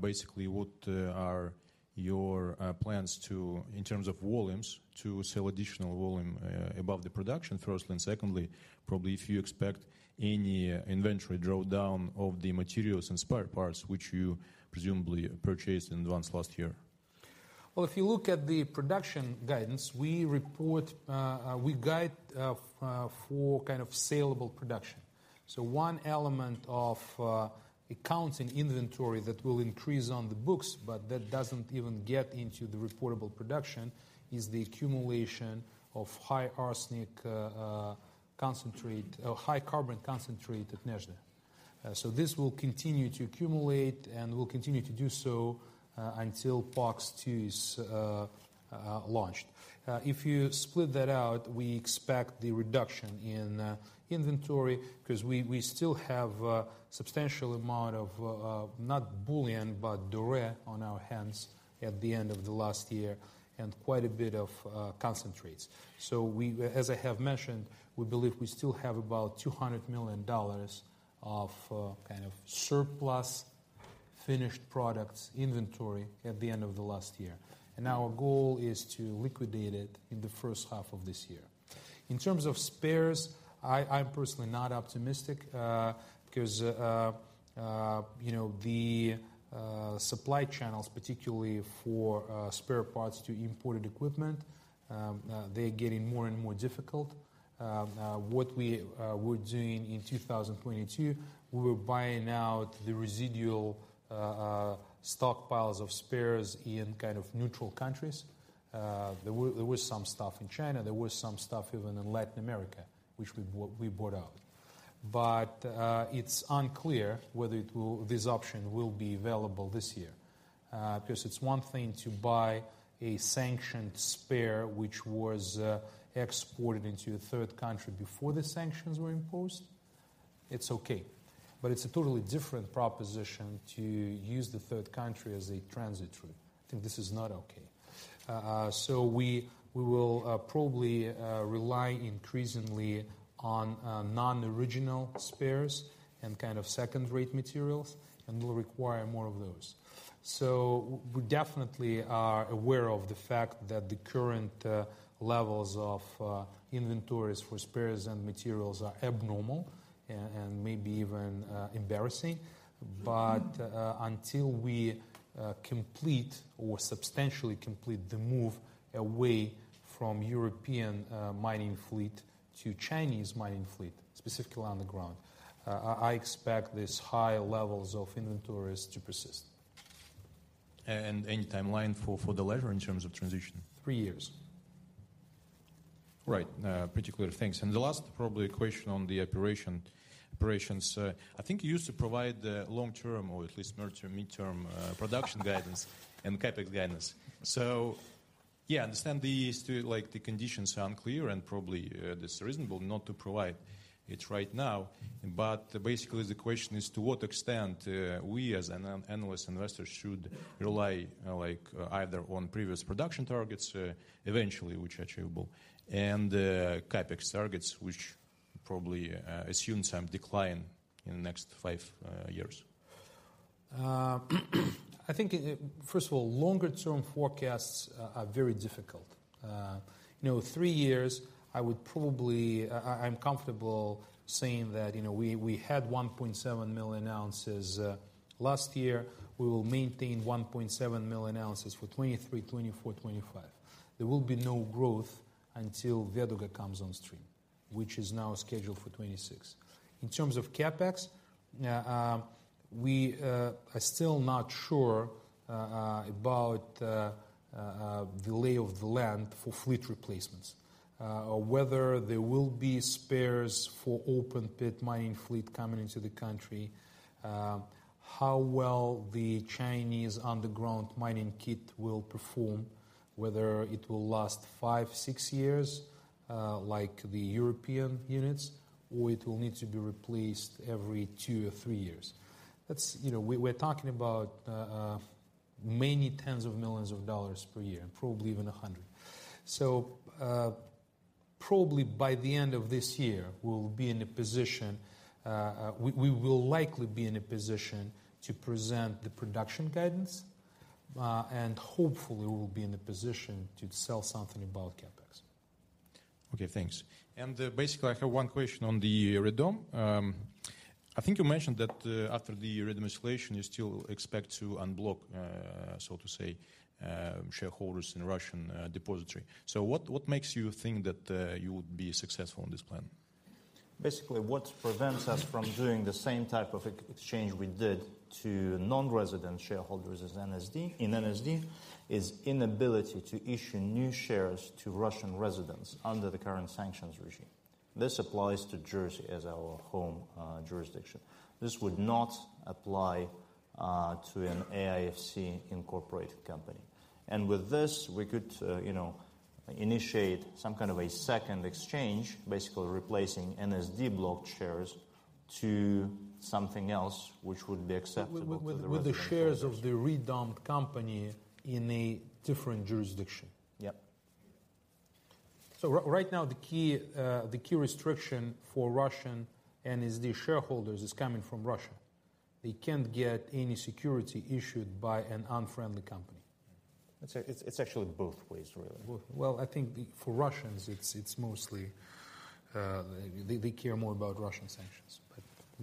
basically what are your plans to, in terms of volumes, to sell additional volume above the production, firstly, and secondly, probably if you expect any inventory drawdown of the materials and spare parts which you presumably purchased in advance last year? Well, if you look at the production guidance, we report, we guide, for kind of saleable production. One element of accounts in inventory that will increase on the books, but that doesn't even get into the reportable production, is the accumulation of high arsenic, concentrate or high carbon concentrate at Nezhda. This will continue to accumulate and will continue to do so, until POX-2 is launched. If you split that out, we expect the reduction in inventory because we still have substantial amount of not bullion, but doré on our hands at the end of the last year and quite a bit of concentrates. We, as I have mentioned, we believe we still have about $200 million of kind of surplus finished products inventory at the end of the last year. Our goal is to liquidate it in the first half of this year. In terms of spares, I'm personally not optimistic, because, you know, the supply channels, particularly for spare parts to imported equipment, they're getting more and more difficult. What we were doing in 2022, we were buying out the residual stockpiles of spares in kind of neutral countries. There were, there was some stuff in China, there was some stuff even in Latin America, which we bought out. It's unclear whether this option will be available this year. Because it's one thing to buy a sanctioned spare, which was exported into a third country before the sanctions were imposed, it's okay. It's a totally different proposition to use the third country as a transit route, and this is not okay. We will probably rely increasingly on non-original spares and kind of second-rate materials, and we'll require more of those. We definitely are aware of the fact that the current levels of inventories for spares and materials are abnormal and maybe even embarrassing. Until we complete or substantially complete the move away from European mining fleet to Chinese mining fleet, specifically on the ground, I expect these high levels of inventories to persist. Any timeline for the latter in terms of transition? 3 years. Right. Pretty clear. Thanks. The last probably question on the operations. I think you used to provide the long-term or at least near-term, mid-term, production guidance and CapEx guidance. Yeah, I understand the, like the conditions are unclear and probably, that's reasonable not to provide it right now. Basically, the question is to what extent, we as an analyst investors should rely like either on previous production targets, eventually which are achievable, and, CapEx targets, which probably, assume some decline in the next five years? I think, first of all, longer term forecasts are very difficult. You know, 3 years, I would probably, I'm comfortable saying that, you know, we had 1.7 million ounces last year. We will maintain 1.7 million ounces for 2023, 2024, 2025. There will be no growth until Veduga comes on stream, which is now scheduled for 2026. In terms of CapEx, we are still not sure about the lay of the land for fleet replacements, or whether there will be spares for open pit mining fleet coming into the country, how well the Chinese underground mining kit will perform, whether it will last 5, 6 years, like the European units, or it will need to be replaced every 2 or 3 years. That's, you know, we're talking about many tens of millions of dollars per year and probably even 100. Probably by the end of this year, we'll be in a position, we will likely be in a position to present the production guidance, and hopefully we'll be in a position to tell something about CapEx. Okay, thanks. Basically, I have one question on the redom. I think you mentioned that after the redomiciliation, you still expect to unblock, so to say, shareholders in Russian depository. What makes you think that you would be successful in this plan? What prevents us from doing the same type of exchange we did to non-resident shareholders as NSD, is inability to issue new shares to Russian residents under the current sanctions regime. This applies to Jersey as our home jurisdiction. This would not apply to an AIFC incorporated company. With this, we could, you know, initiate some kind of a second exchange, basically replacing NSD blocked shares to something else which would be acceptable to the Russian shareholders. With the shares of the redomed company in a different jurisdiction. Yeah. Right now, the key restriction for Russian NSD shareholders is coming from Russia. They can't get any security issued by an unfriendly company. It's actually both ways, really. Well, I think for Russians, it's mostly, they care more about Russian sanctions.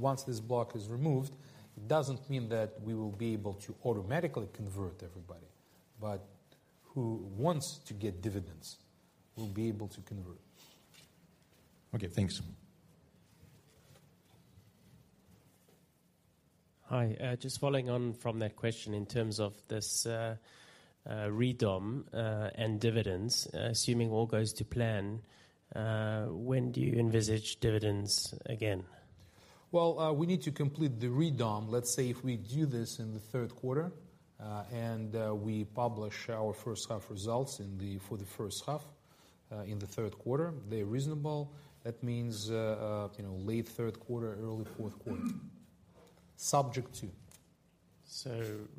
Once this block is removed, it doesn't mean that we will be able to automatically convert everybody. Who wants to get dividends will be able to convert. Okay, thanks. Hi. just following on from that question in terms of this, redom, and dividends, assuming all goes to plan, when do you envisage dividends again? Well, we need to complete the redom. Let's say if we do this in the third quarter, and we publish our first half results in the, for the first half, in the third quarter, they're reasonable, that means, you know, late third quarter, early fourth quarter. Subject to.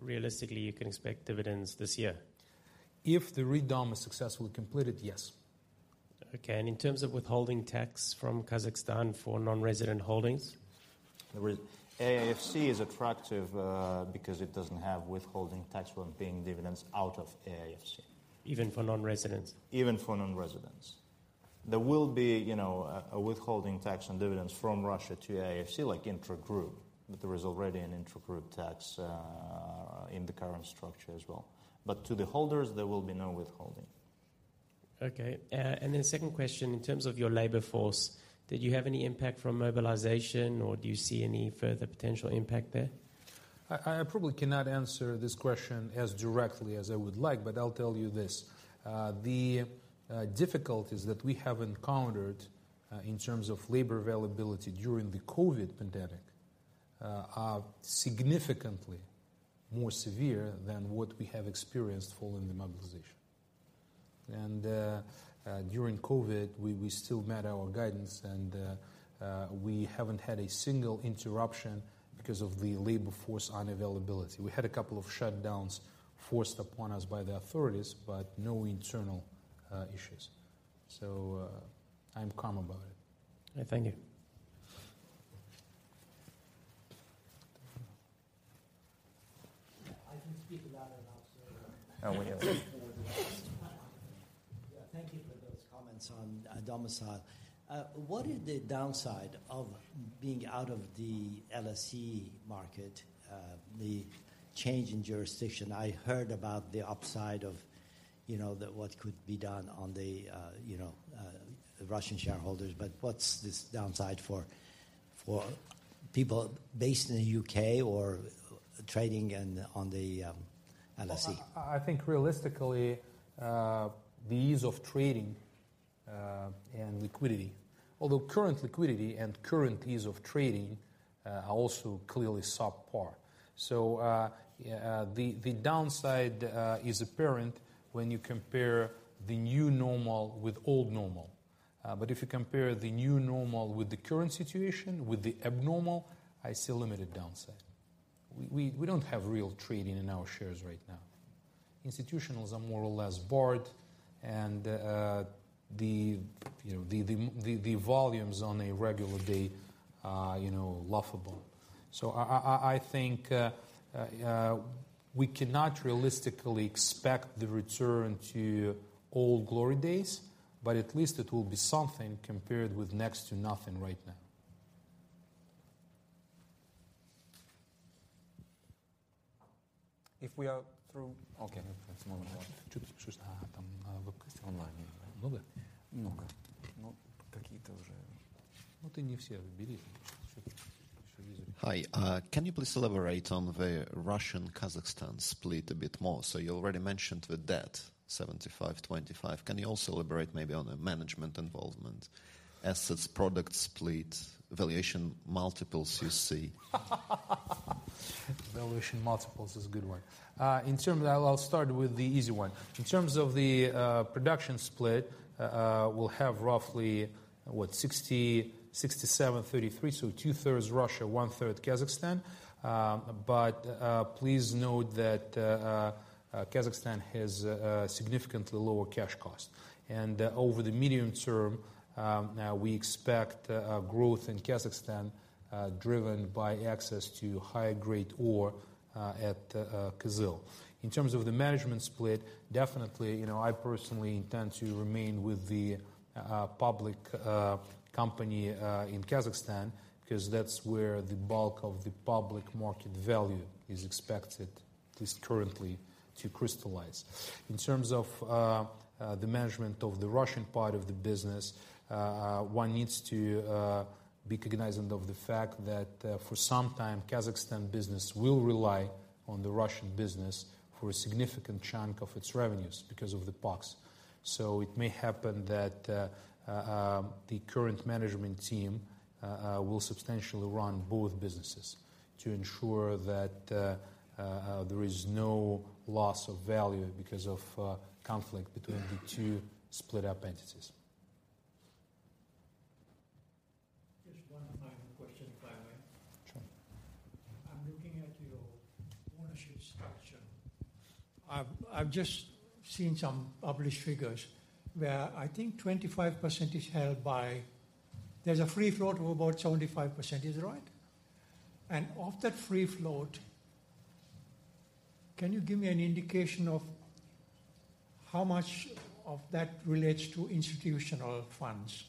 Realistically, you can expect dividends this year? If the redom is successfully completed, yes. Okay. In terms of withholding tax from Kazakhstan for non-resident holdings? AIFC is attractive, because it doesn't have withholding tax when paying dividends out of AIFC. Even for non-residents? Even for non-residents. There will be, you know, a withholding tax on dividends from Russia to AIFC, like intragroup, but there is already an intragroup tax in the current structure as well. To the holders, there will be no withholding. Okay. Second question, in terms of your labor force, did you have any impact from mobilization or do you see any further potential impact there? I probably cannot answer this question as directly as I would like, but I'll tell you this. The difficulties that we have encountered in terms of labor availability during the COVID pandemic are significantly more severe than what we have experienced following the mobilization. During COVID, we still met our guidance, we haven't had a single interruption because of the labor force unavailability. We had a couple of shutdowns forced upon us by the authorities, but no internal issues. I'm calm about it. Thank you. I can speak about it also. Oh, yeah. Thank you for those comments on domicile. What is the downside of being out of the LSE market, the change in jurisdiction? I heard about the upside of, you know, the, what could be done on the, you know, Russian shareholders. What's this downside for people based in the UK or trading in, on the LSE? I think realistically, the ease of trading and liquidity. Although current liquidity and current ease of trading are also clearly subpar. The downside is apparent when you compare the new normal with old normal. If you compare the new normal with the current situation, with the abnormal, I see a limited downside. We don't have real trading in our shares right now. Institutionals are more or less barred and, you know, the volumes on a regular day are, you know, laughable. I think we cannot realistically expect the return to old glory days, but at least it will be something compared with next to nothing right now. If we are through... Hi. Can you please elaborate on the Russian Kazakhstan split a bit more? You already mentioned the debt, 75, 25. Can you also elaborate maybe on the management involvement, assets, product split, valuation multiples you see? Valuation multiples is a good one. I'll start with the easy one. In terms of the production split, we'll have roughly, what? 67-33, so two-thirds Russia, one-third Kazakhstan. Please note that Kazakhstan has significantly lower cash costs. Over the medium term, we expect growth in Kazakhstan, driven by access to higher grade ore at Kyzyl. In terms of the management split, definitely, you know, I personally intend to remain with the public company in Kazakhstan, because that's where the bulk of the public market value is expected, at least currently, to crystallize. In terms of the management of the Russian part of the business, one needs to be cognizant of the fact that for some time, Kazakhstan business will rely on the Russian business for a significant chunk of its revenues because of the POX. It may happen that the current management team will substantially run both businesses to ensure that there is no loss of value because of conflict between the two split up entities. Just one final question, if I may. Sure. I'm looking at your ownership section. I've just seen some published figures where I think 25% is held by... There's a free float of about 75%. Is that right? Of that free float, can you give me an indication of how much of that relates to institutional funds?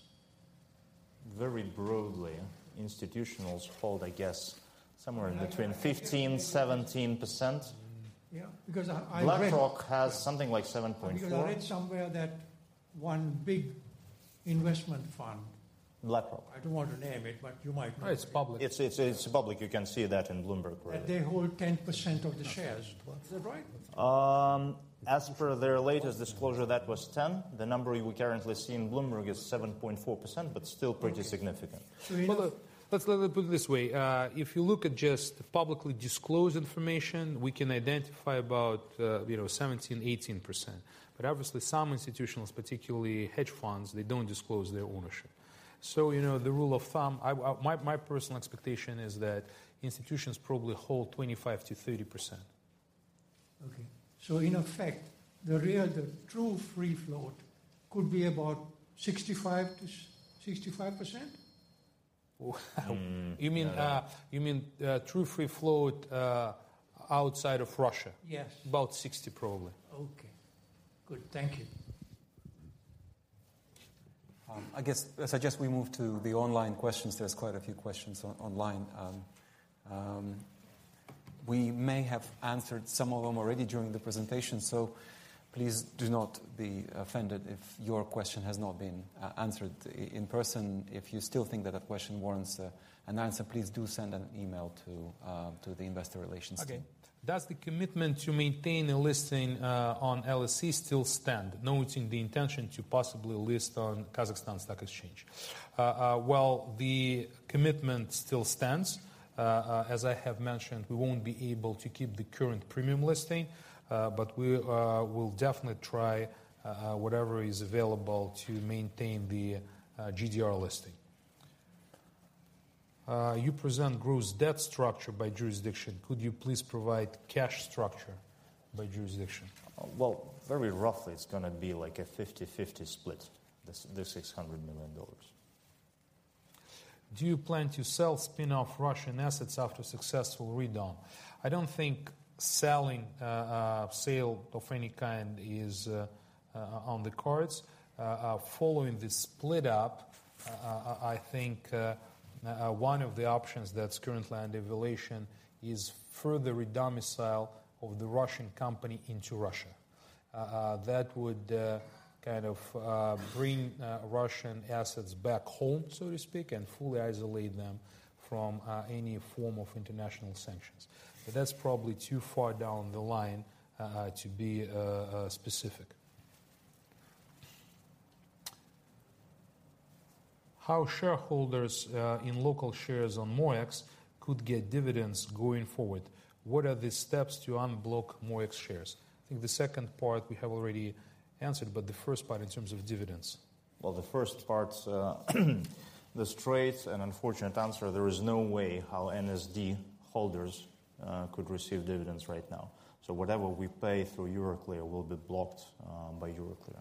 Very broadly. Institutionals hold, I guess, somewhere between 15, 17%. Yeah. I read. BlackRock has something like 7.4. I read somewhere that one big investment fund. BlackRock. I don't want to name it, but you might know. It's public. It's public. You can see that in Bloomberg, right. That they hold 10% of the shares. Is that right? As per their latest disclosure, that was 10. The number we currently see in Bloomberg is 7.4%, but still pretty significant. Well, let's put it this way. If you look at just publicly disclosed information, we can identify about, you know 17%-18%. Obviously, some institutions, particularly hedge funds, they don't disclose their ownership. You know, the rule of thumb, my personal expectation is that institutions probably hold 25%-30%. Okay. In effect, the real, the true free float could be about 65%-65%? Wow. Mm. You mean true free float, outside of Russia? Yes. About 60, probably. Okay. Good. Thank you. I guess, I suggest we move to the online questions. There's quite a few questions online. We may have answered some of them already during the presentation, so please do not be offended if your question has not been answered in person. If you still think that a question warrants an answer, please do send an email to the investor relations team. Okay. Does the commitment to maintain a listing on LSE still stand, noting the intention to possibly list on Kazakhstan Stock Exchange? Well, the commitment still stands. As I have mentioned, we won't be able to keep the current premium listing, but we will definitely try whatever is available to maintain the GDR listing. You present group's debt structure by jurisdiction. Could you please provide cash structure by jurisdiction? Well, very roughly, it's gonna be like a 50/50 split, the $600 million. Do you plan to sell spin-off Russian assets after successful redom? I don't think selling, sale of any kind is on the cards. Following the split up, I think one of the options that's currently under evaluation is further redomicile of the Russian company into Russia. That would kind of bring Russian assets back home, so to speak, and fully isolate them from any form of international sanctions. That's probably too far down the line to be specific. How shareholders in local shares on MOEX could get dividends going forward? What are the steps to unblock MOEX shares? I think the second part we have already answered, but the first part in terms of dividends. The first part, the straight and unfortunate answer, there is no way how NSD holders could receive dividends right now. Whatever we pay through Euroclear will be blocked by Euroclear.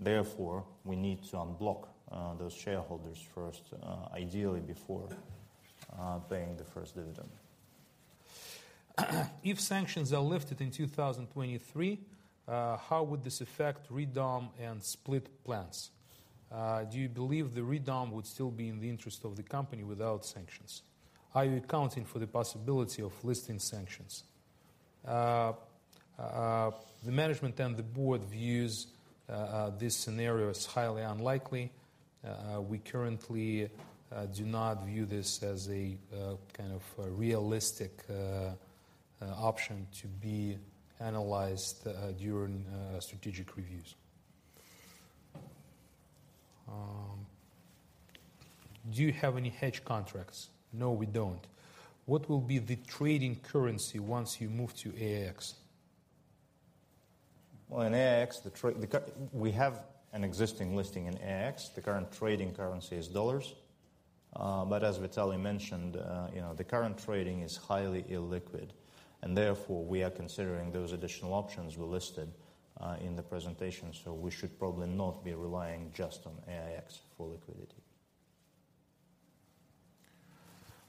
Therefore, we need to unblock those shareholders first, ideally before paying the first dividend. If sanctions are lifted in 2023, how would this affect redom and split plans? Do you believe the redom would still be in the interest of the company without sanctions? Are you accounting for the possibility of listing sanctions? The management and the board views this scenario as highly unlikely. We currently do not view this as a kind of a realistic option to be analyzed during strategic reviews. Do you have any hedge contracts? No, we don't. What will be the trading currency once you move to AIX? Well, in AIX, we have an existing listing in AIX. The current trading currency is dollars. As Vitaly mentioned, you know, the current trading is highly illiquid, and therefore, we are considering those additional options we listed in the presentation. We should probably not be relying just on AIX for liquidity.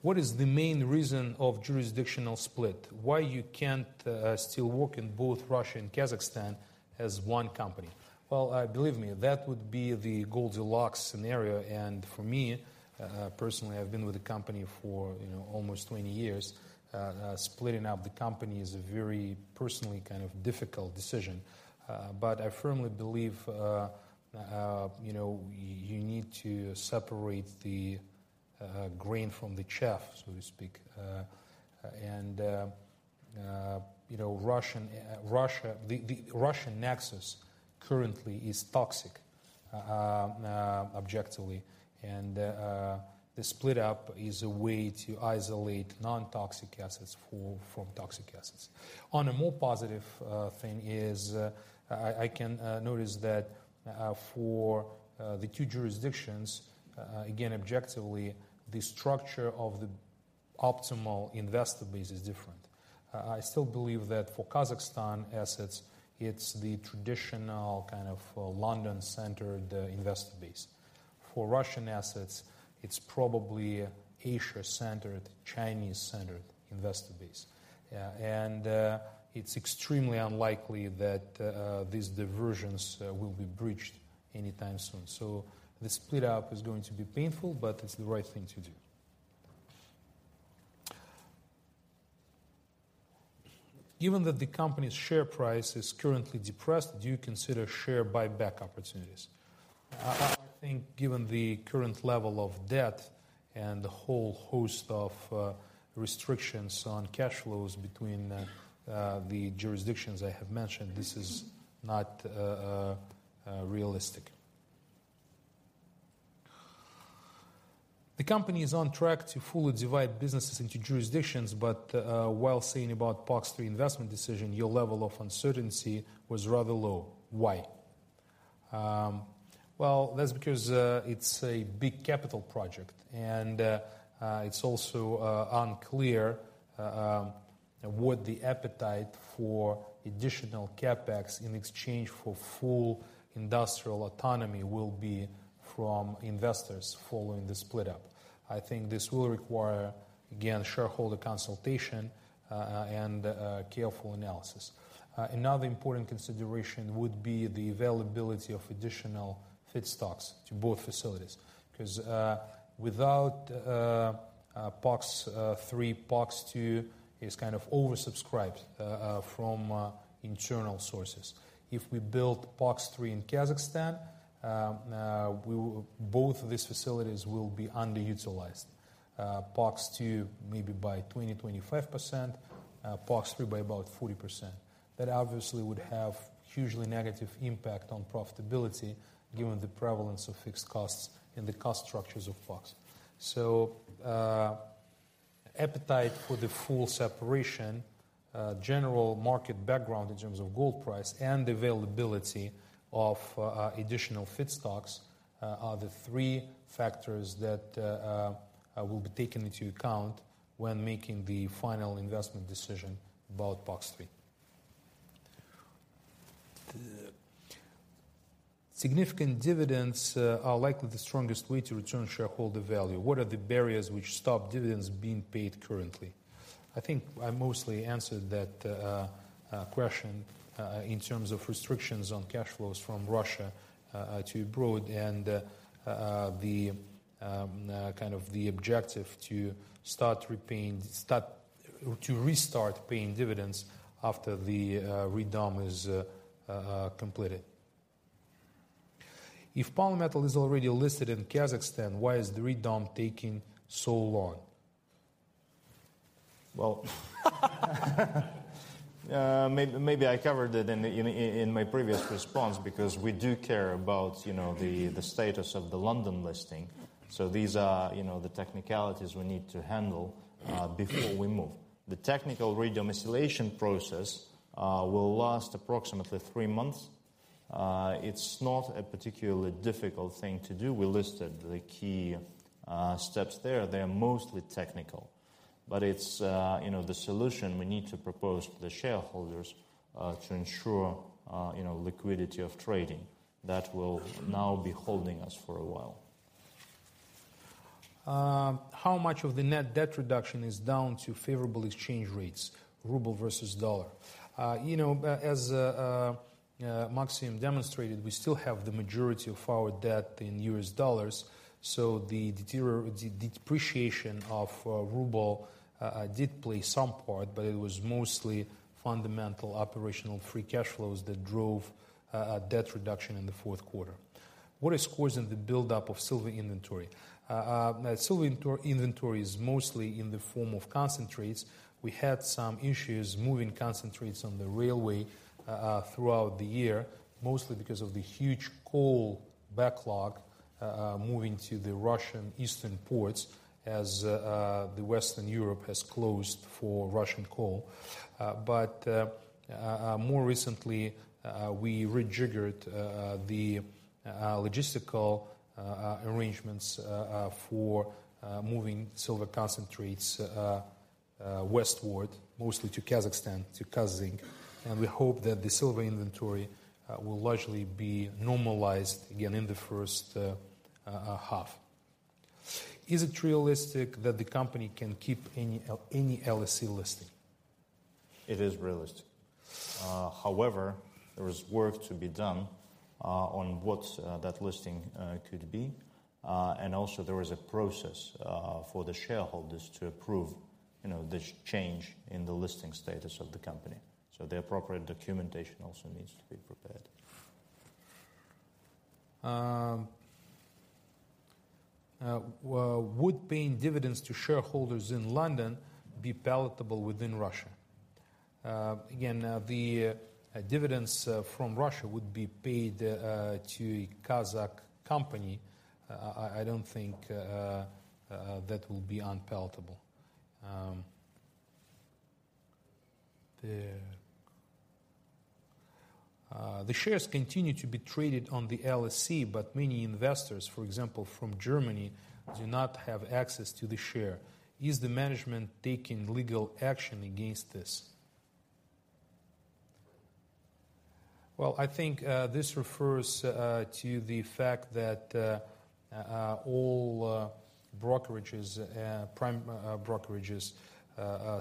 What is the main reason of jurisdictional split? Why you can't still work in both Russia and Kazakhstan as one company? Believe me, that would be the Goldilocks scenario. For me, personally, I've been with the company for, you know, almost 20 years. Splitting up the company is a very personally kind of difficult decision. I firmly believe, you know, you need to separate the grain from the chaff, so to speak. You know, Russian, Russia, the Russian nexus currently is toxic, objectively. The split up is a way to isolate non-toxic assets from toxic assets. On a more positive thing is, I can notice that for the two jurisdictions, again, objectively, the structure of the optimal investor base is different. I still believe that for Kazakhstan assets, it's the traditional kind of London-centered investor base. For Russian assets, it's probably Asia-centered, Chinese-centered investor base. It's extremely unlikely that these diversions will be breached anytime soon. The split up is going to be painful, but it's the right thing to do. Given that the company's share price is currently depressed, do you consider share buyback opportunities? I think given the current level of debt and the whole host of restrictions on cash flows between the jurisdictions I have mentioned, this is not realistic. The company is on track to fully divide businesses into jurisdictions, but while saying about POX-3 investment decision, your level of uncertainty was rather low. Why? Well, that's because it's a big capital project, and it's also unclear what the appetite for additional CapEx in exchange for full industrial autonomy will be from investors following the split up. I think this will require, again, shareholder consultation, and careful analysis. Another important consideration would be the availability of additional feedstocks to both facilities. Cause without POX-3, POX-2 is kind of oversubscribed from internal sources. If we build POX-3 in Kazakhstan, both of these facilities will be underutilized. POX-2 maybe by 20%-25%, POX-3 by about 40%. That obviously would have hugely negative impact on profitability given the prevalence of fixed costs and the cost structures of POX. Appetite for the full separation, general market background in terms of gold price, and availability of additional feedstocks are the three factors that will be taken into account when making the final investment decision about POX-3. Significant dividends are likely the strongest way to return shareholder value. What are the barriers which stop dividends being paid currently? I think I mostly answered that question in terms of restrictions on cash flows from Russia to abroad and the kind of the objective to restart paying dividends after the redomiciliation is completed. If Polymetal is already listed in Kazakhstan, why is the redomiciliation taking so long? Well, maybe I covered it in my previous response because we do care about, you know, the status of the London listing. These are, you know, the technicalities we need to handle before we move. The technical redomiciliation process will last approximately three months. It's not a particularly difficult thing to do. We listed the key steps there. They are mostly technical. It's, you know, the solution we need to propose to the shareholders, to ensure, you know, liquidity of trading that will now be holding us for a while. How much of the net debt reduction is down to favorable exchange rates, ruble versus dollar? You know, as Maxim demonstrated we still have the majority of our debt in US dollars, so the depreciation of ruble did play some part, but it was mostly fundamental operational free cash flows that drove a debt reduction in the fourth quarter. What is causing the buildup of silver inventory? Silver inventory is mostly in the form of concentrates. We had some issues moving concentrates on the railway throughout the year, mostly because of the huge coal backlog moving to the Russian eastern ports as the Western Europe has closed for Russian coal. More recently, we rejiggered the logistical arrangements for moving silver concentrates westward, mostly to Kazakhstan, to Kazzinc. We hope that the silver inventory will largely be normalized again in the first half. Is it realistic that the company can keep any LSE listing? It is realistic. However, there is work to be done on what that listing could be. There is a process for the shareholders to approve, you know, this change in the listing status of the company. The appropriate documentation also needs to be prepared. Well, would paying dividends to shareholders in London be palatable within Russia? Again, the dividends from Russia would be paid to a Kazakh company. I don't think that will be unpalatable. The shares continue to be traded on the LSE, but many investors, for example, from Germany, do not have access to the share. Is the management taking legal action against this? Well, I think this refers to the fact that all brokerages, prime brokerages,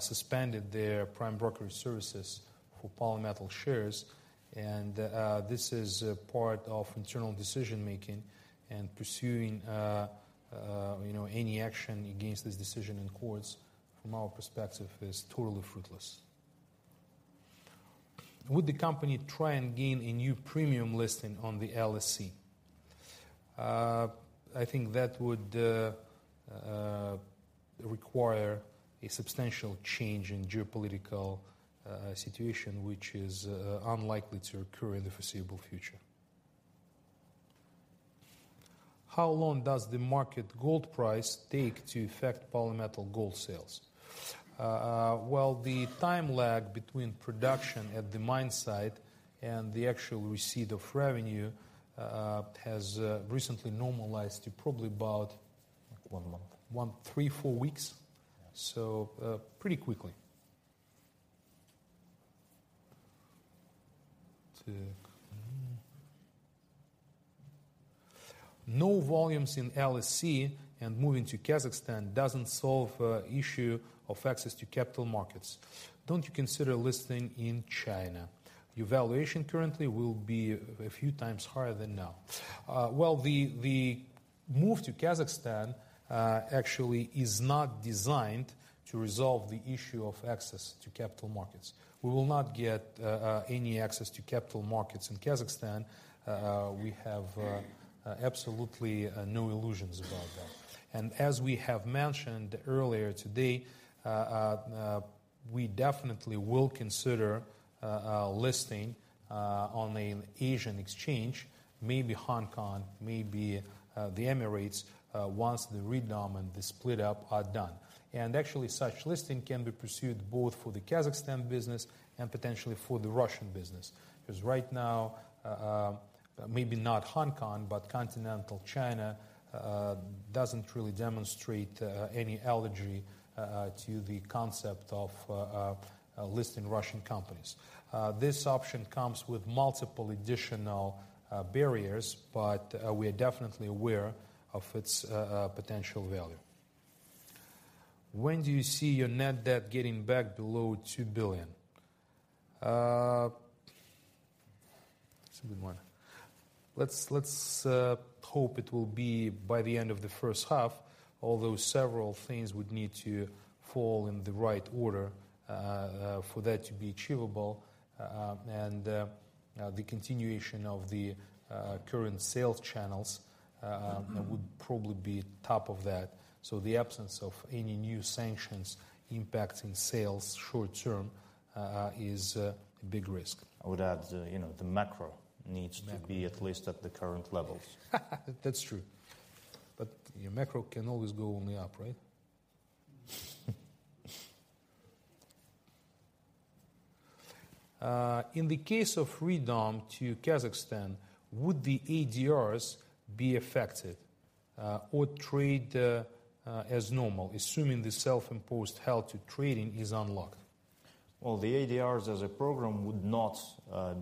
suspended their prime brokerage services for Polymetal shares. This is part of internal decision-making and pursuing, you know, any action against this decision in courts from our perspective is totally fruitless. Would the company try and gain a new premium listing on the LSE? I think that would require a substantial change in geopolitical situation, which is unlikely to occur in the foreseeable future. How long does the market gold price take to affect Polymetal gold sales? Well, the time lag between production at the mine site and the actual receipt of revenue has recently normalized to probably about- One month. One, three, four weeks. Yeah. Pretty quickly. No volumes in LSE and moving to Kazakhstan doesn't solve issue of access to capital markets. Don't you consider listing in China? Your valuation currently will be a few times higher than now. The move to Kazakhstan actually is not designed to resolve the issue of access to capital markets. We will not get any access to capital markets in Kazakhstan. We have absolutely no illusions about that. As we have mentioned earlier today, we definitely will consider listing on an Asian exchange, maybe Hong Kong, maybe the Emirates, once the redom and the split up are done. Actually, such listing can be pursued both for the Kazakhstan business and potentially for the Russian business. Right now, maybe not Hong Kong, but continental China, doesn't really demonstrate any allergy to the concept of listing Russian companies. This option comes with multiple additional barriers, but we are definitely aware of its potential value. When do you see your net debt getting back below $2 billion? That's a good one. Let's hope it will be by the end of the first half, although several things would need to fall in the right order for that to be achievable. The continuation of the current sales channels would probably be top of that. The absence of any new sanctions impacting sales short-term is a big risk. I would add, you know, the macro needs to be at least at the current levels. That's true. Your macro can always go only up, right? In the case of redom to Kazakhstan, would the ADRs be affected, or trade as normal, assuming the self-imposed halt to trading is unlocked? The ADRs as a program would not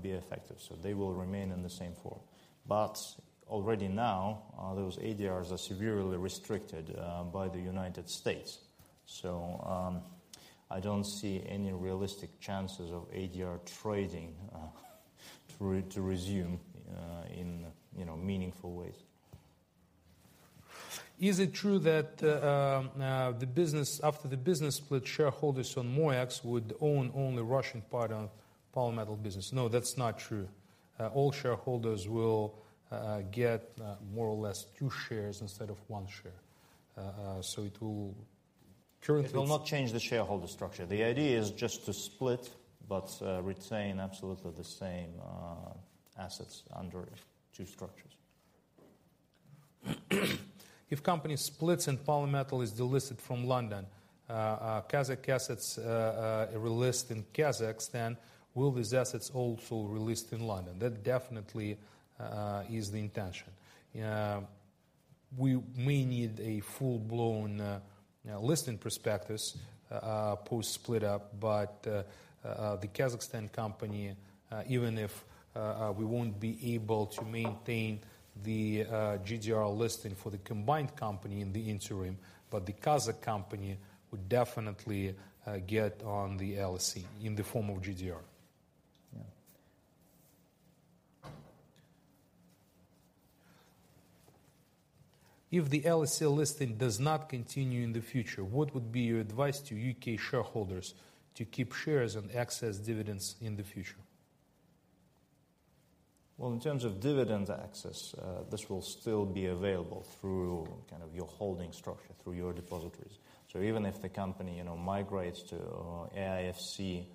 be affected, so they will remain in the same form. Already now, those ADRs are severely restricted by the United States. I don't see any realistic chances of ADR trading to resume in, you know, meaningful ways. Is it true that after the business split, shareholders on MOEX would own only Russian part of Polymetal business? No, that's not true. All shareholders will get more or less 2 shares instead of 1 share. It will currently. It will not change the shareholder structure. The idea is just to split but retain absolutely the same assets under two structures. If company splits and Polymetal is delisted from London, Kazakh assets relist in Kazakhstan, will these assets also relist in London? That definitely is the intention. We may need a full-blown listing prospectus post-split up, but the Kazakhstan company, even if we won't be able to maintain Well, in terms of dividend access, this will still be available through kind of your holding structure, through your depositories. Even if the... AIFC.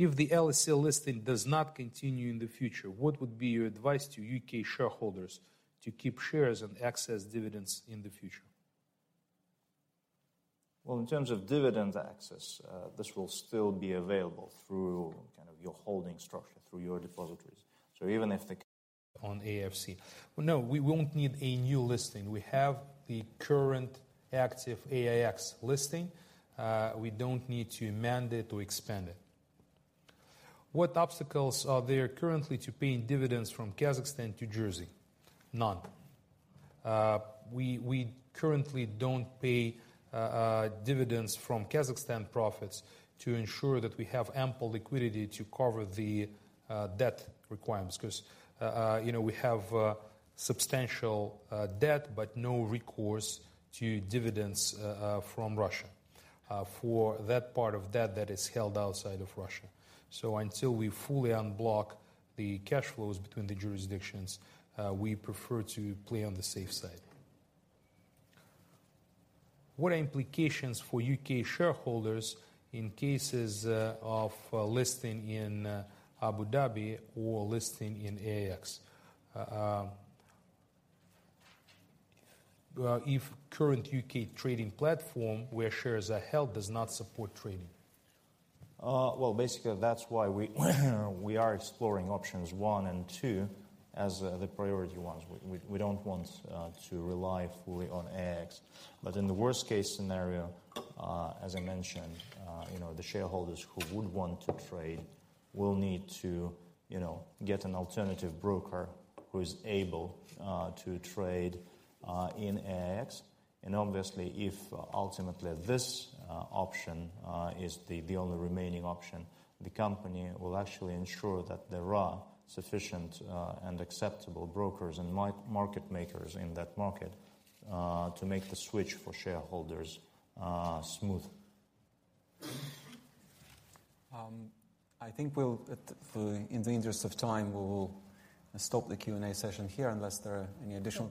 We won't need a new listing. We have the current active AIX listing. We don't need to amend it or expand it. What obstacles are there currently to paying dividends from Kazakhstan to Jersey? None. We currently don't pay dividends from Kazakhstan profits to ensure that we have ample liquidity to cover the debt requirements 'cause, you know, we have substantial debt but no recourse to dividends from Russia for that part of debt that is held outside of Russia. Until we fully unblock the cash flows between the jurisdictions, we prefer to play on the safe side. What are implications for U.K. shareholders in cases of listing in Abu Dhabi or listing in AIX, if current U.K. trading platform where shares are held does not support trading? Well, basically that's why we are exploring options one and two as the priority ones. We don't want to rely fully on AIX. In the worst case scenario, as I mentioned, you know, the shareholders who would want to trade will need to, you know, get an alternative broker who is able to trade in AIX. Obviously, if ultimately this option is the only remaining option, the company will actually ensure that there are sufficient and acceptable brokers and market makers in that market to make the switch for shareholders smooth. In the interest of time, we will stop the Q&A session here unless there are any additional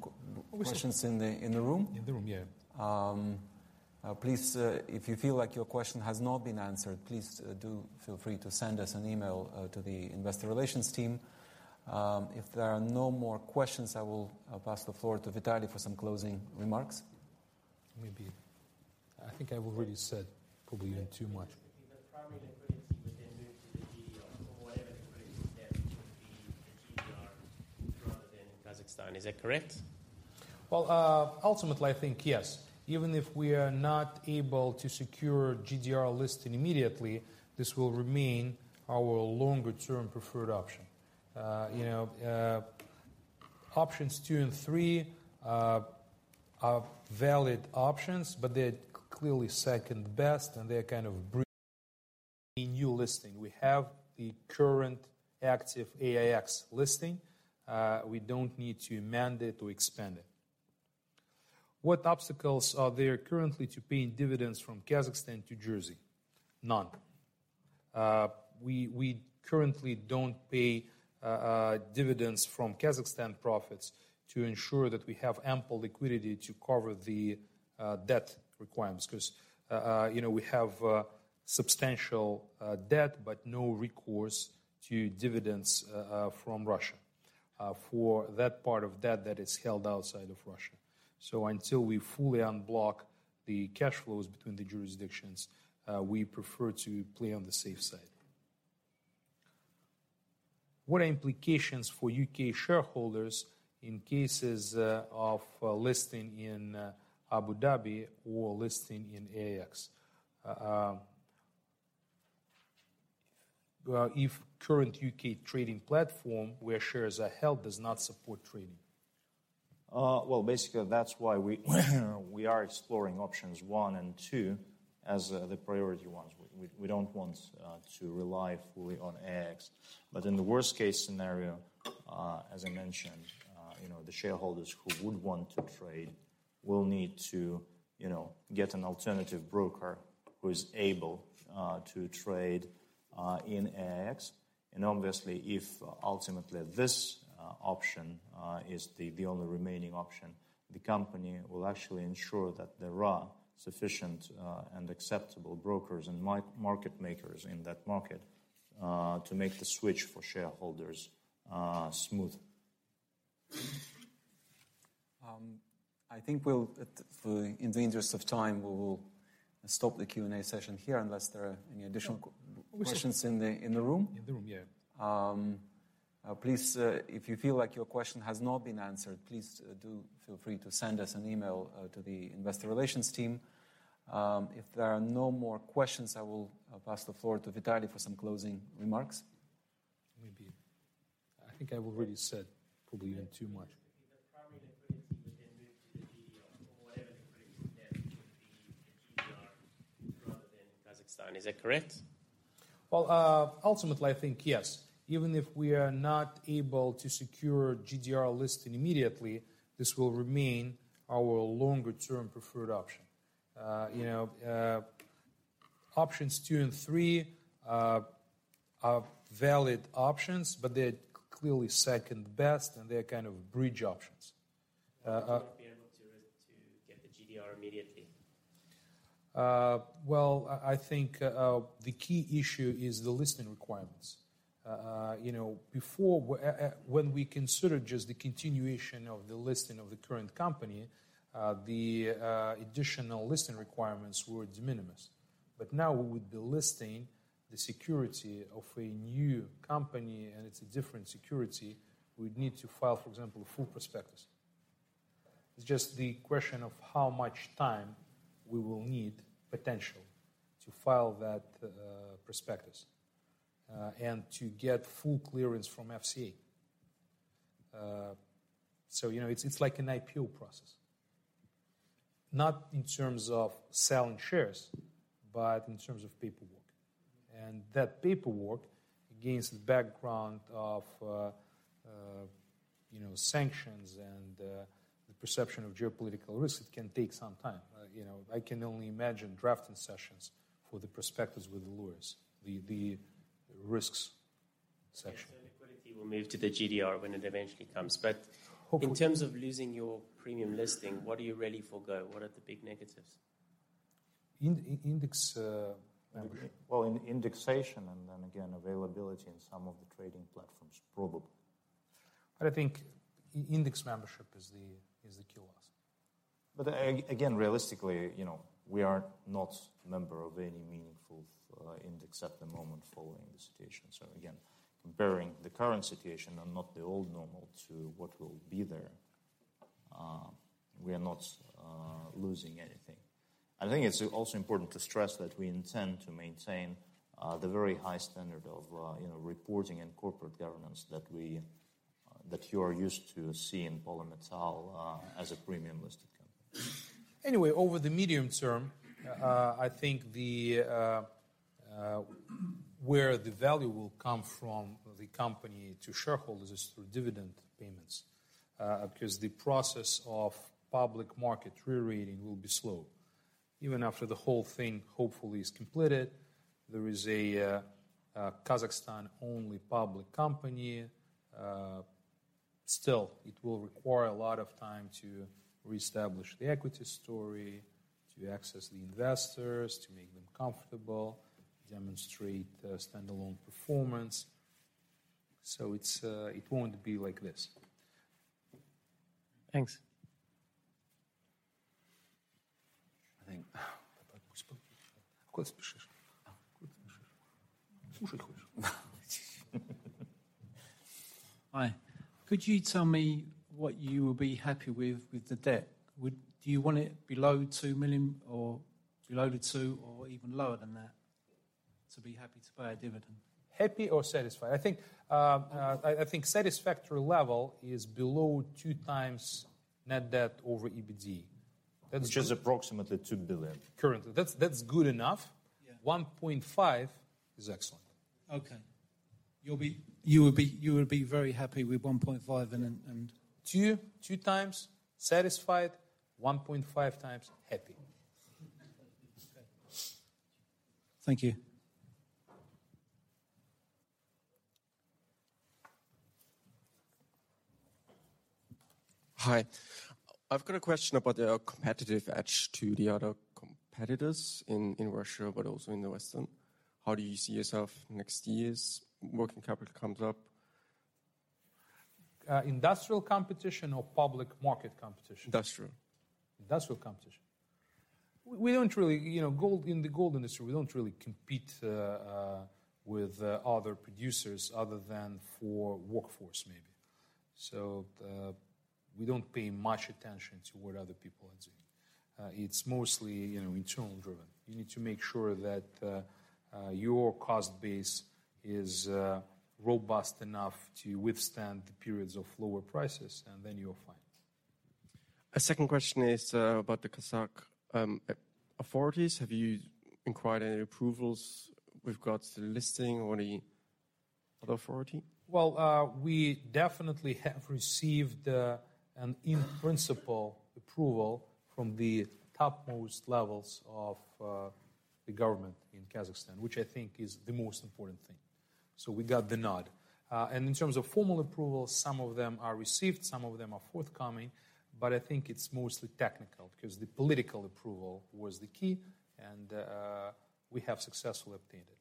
Well, ultimately, I think yes. Even if we are not able to secure GDR listing immediately, this will remain our longer-term preferred option. You know, options 2 and 3 are valid options, but they're clearly second best, and they're kind of bridge options. Will you be able to get the GDR immediately? Well, I think the key issue is the listing requirements. You know, before when we consider just the continuation of the listing of the current company, the additional listing requirements were de minimis. Now with the listing, the security of a new company, and it's a different security, we'd need to file, for example, full prospectus. It's just the question of how much time we will need potentially to file that prospectus and to get full clearance from FCA. You know, it's like an IPO process, not in terms of selling shares, but in terms of paperwork. That paperwork against the background of, you know, sanctions and the perception of geopolitical risks, it can take some time. You know, I can only imagine drafting sessions for the prospectus with the lawyers, the risks section. The liquidity will move to the GDR when it eventually comes. In terms of losing your premium listing, what are you ready forego? What are the big negatives? index. Well, in indexation and then again availability in some of the trading platforms probably. I think index membership is the key loss. Again, realistically, you know, we are not member of any meaningful index at the moment following the situation. Again, comparing the current situation and not the old normal to what will be there, we are not losing anything. I think it's also important to stress that we intend to maintain the very high standard of, you know, reporting and corporate governance that we You are used to seeing Polymetal as a premium listed company. Over the medium term, I think the where the value will come from the company to shareholders is through dividend payments. The process of public market rerating will be slow. Even after the whole thing hopefully is completed, there is a Kazakhstan-only public company. It will require a lot of time to reestablish the equity story, to access the investors, to make them comfortable, demonstrate standalone performance. It's... it won't be like this. Thanks. I think. Hi. Could you tell me what you will be happy with the debt? Do you want it below $2 million or below the 2 or even lower than that to be happy to pay a dividend? Happy or satisfied? I think satisfactory level is below 2 times net debt over EBITDA. That's. Which is approximately $2 billion. Currently. That's good enough. Yeah. 1.5 is excellent. Okay. You will be very happy with 1.5. 2 times satisfied, 1.5 times happy. Okay. Thank you. Hi. I've got a question about the competitive edge to the other competitors in Russia, but also in the West. How do you see yourself next years working capital comes up? Industrial competition or public market competition? Industrial. Industrial competition. We don't really. You know, In the gold industry, we don't really compete with other producers other than for workforce maybe. We don't pay much attention to what other people are doing. It's mostly, you know, internal driven. You need to make sure that your cost base is robust enough to withstand the periods of lower prices, and then you're fine. A second question is about the Kazakh authorities. Have you inquired any approvals with regards to the listing or the other authority? Well, we definitely have received, an in-principle approval from the topmost levels of, the government in Kazakhstan, which I think is the most important thing. We got the nod. In terms of formal approval, some of them are received, some of them are forthcoming, but I think it's mostly technical, because the political approval was the key, and, we have successfully obtained it.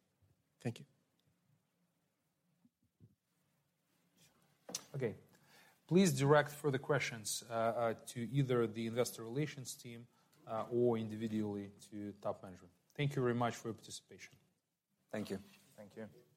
Thank you. Okay. Please direct further questions to either the investor relations team or individually to top management. Thank you very much for your participation. Thank you. Thank you.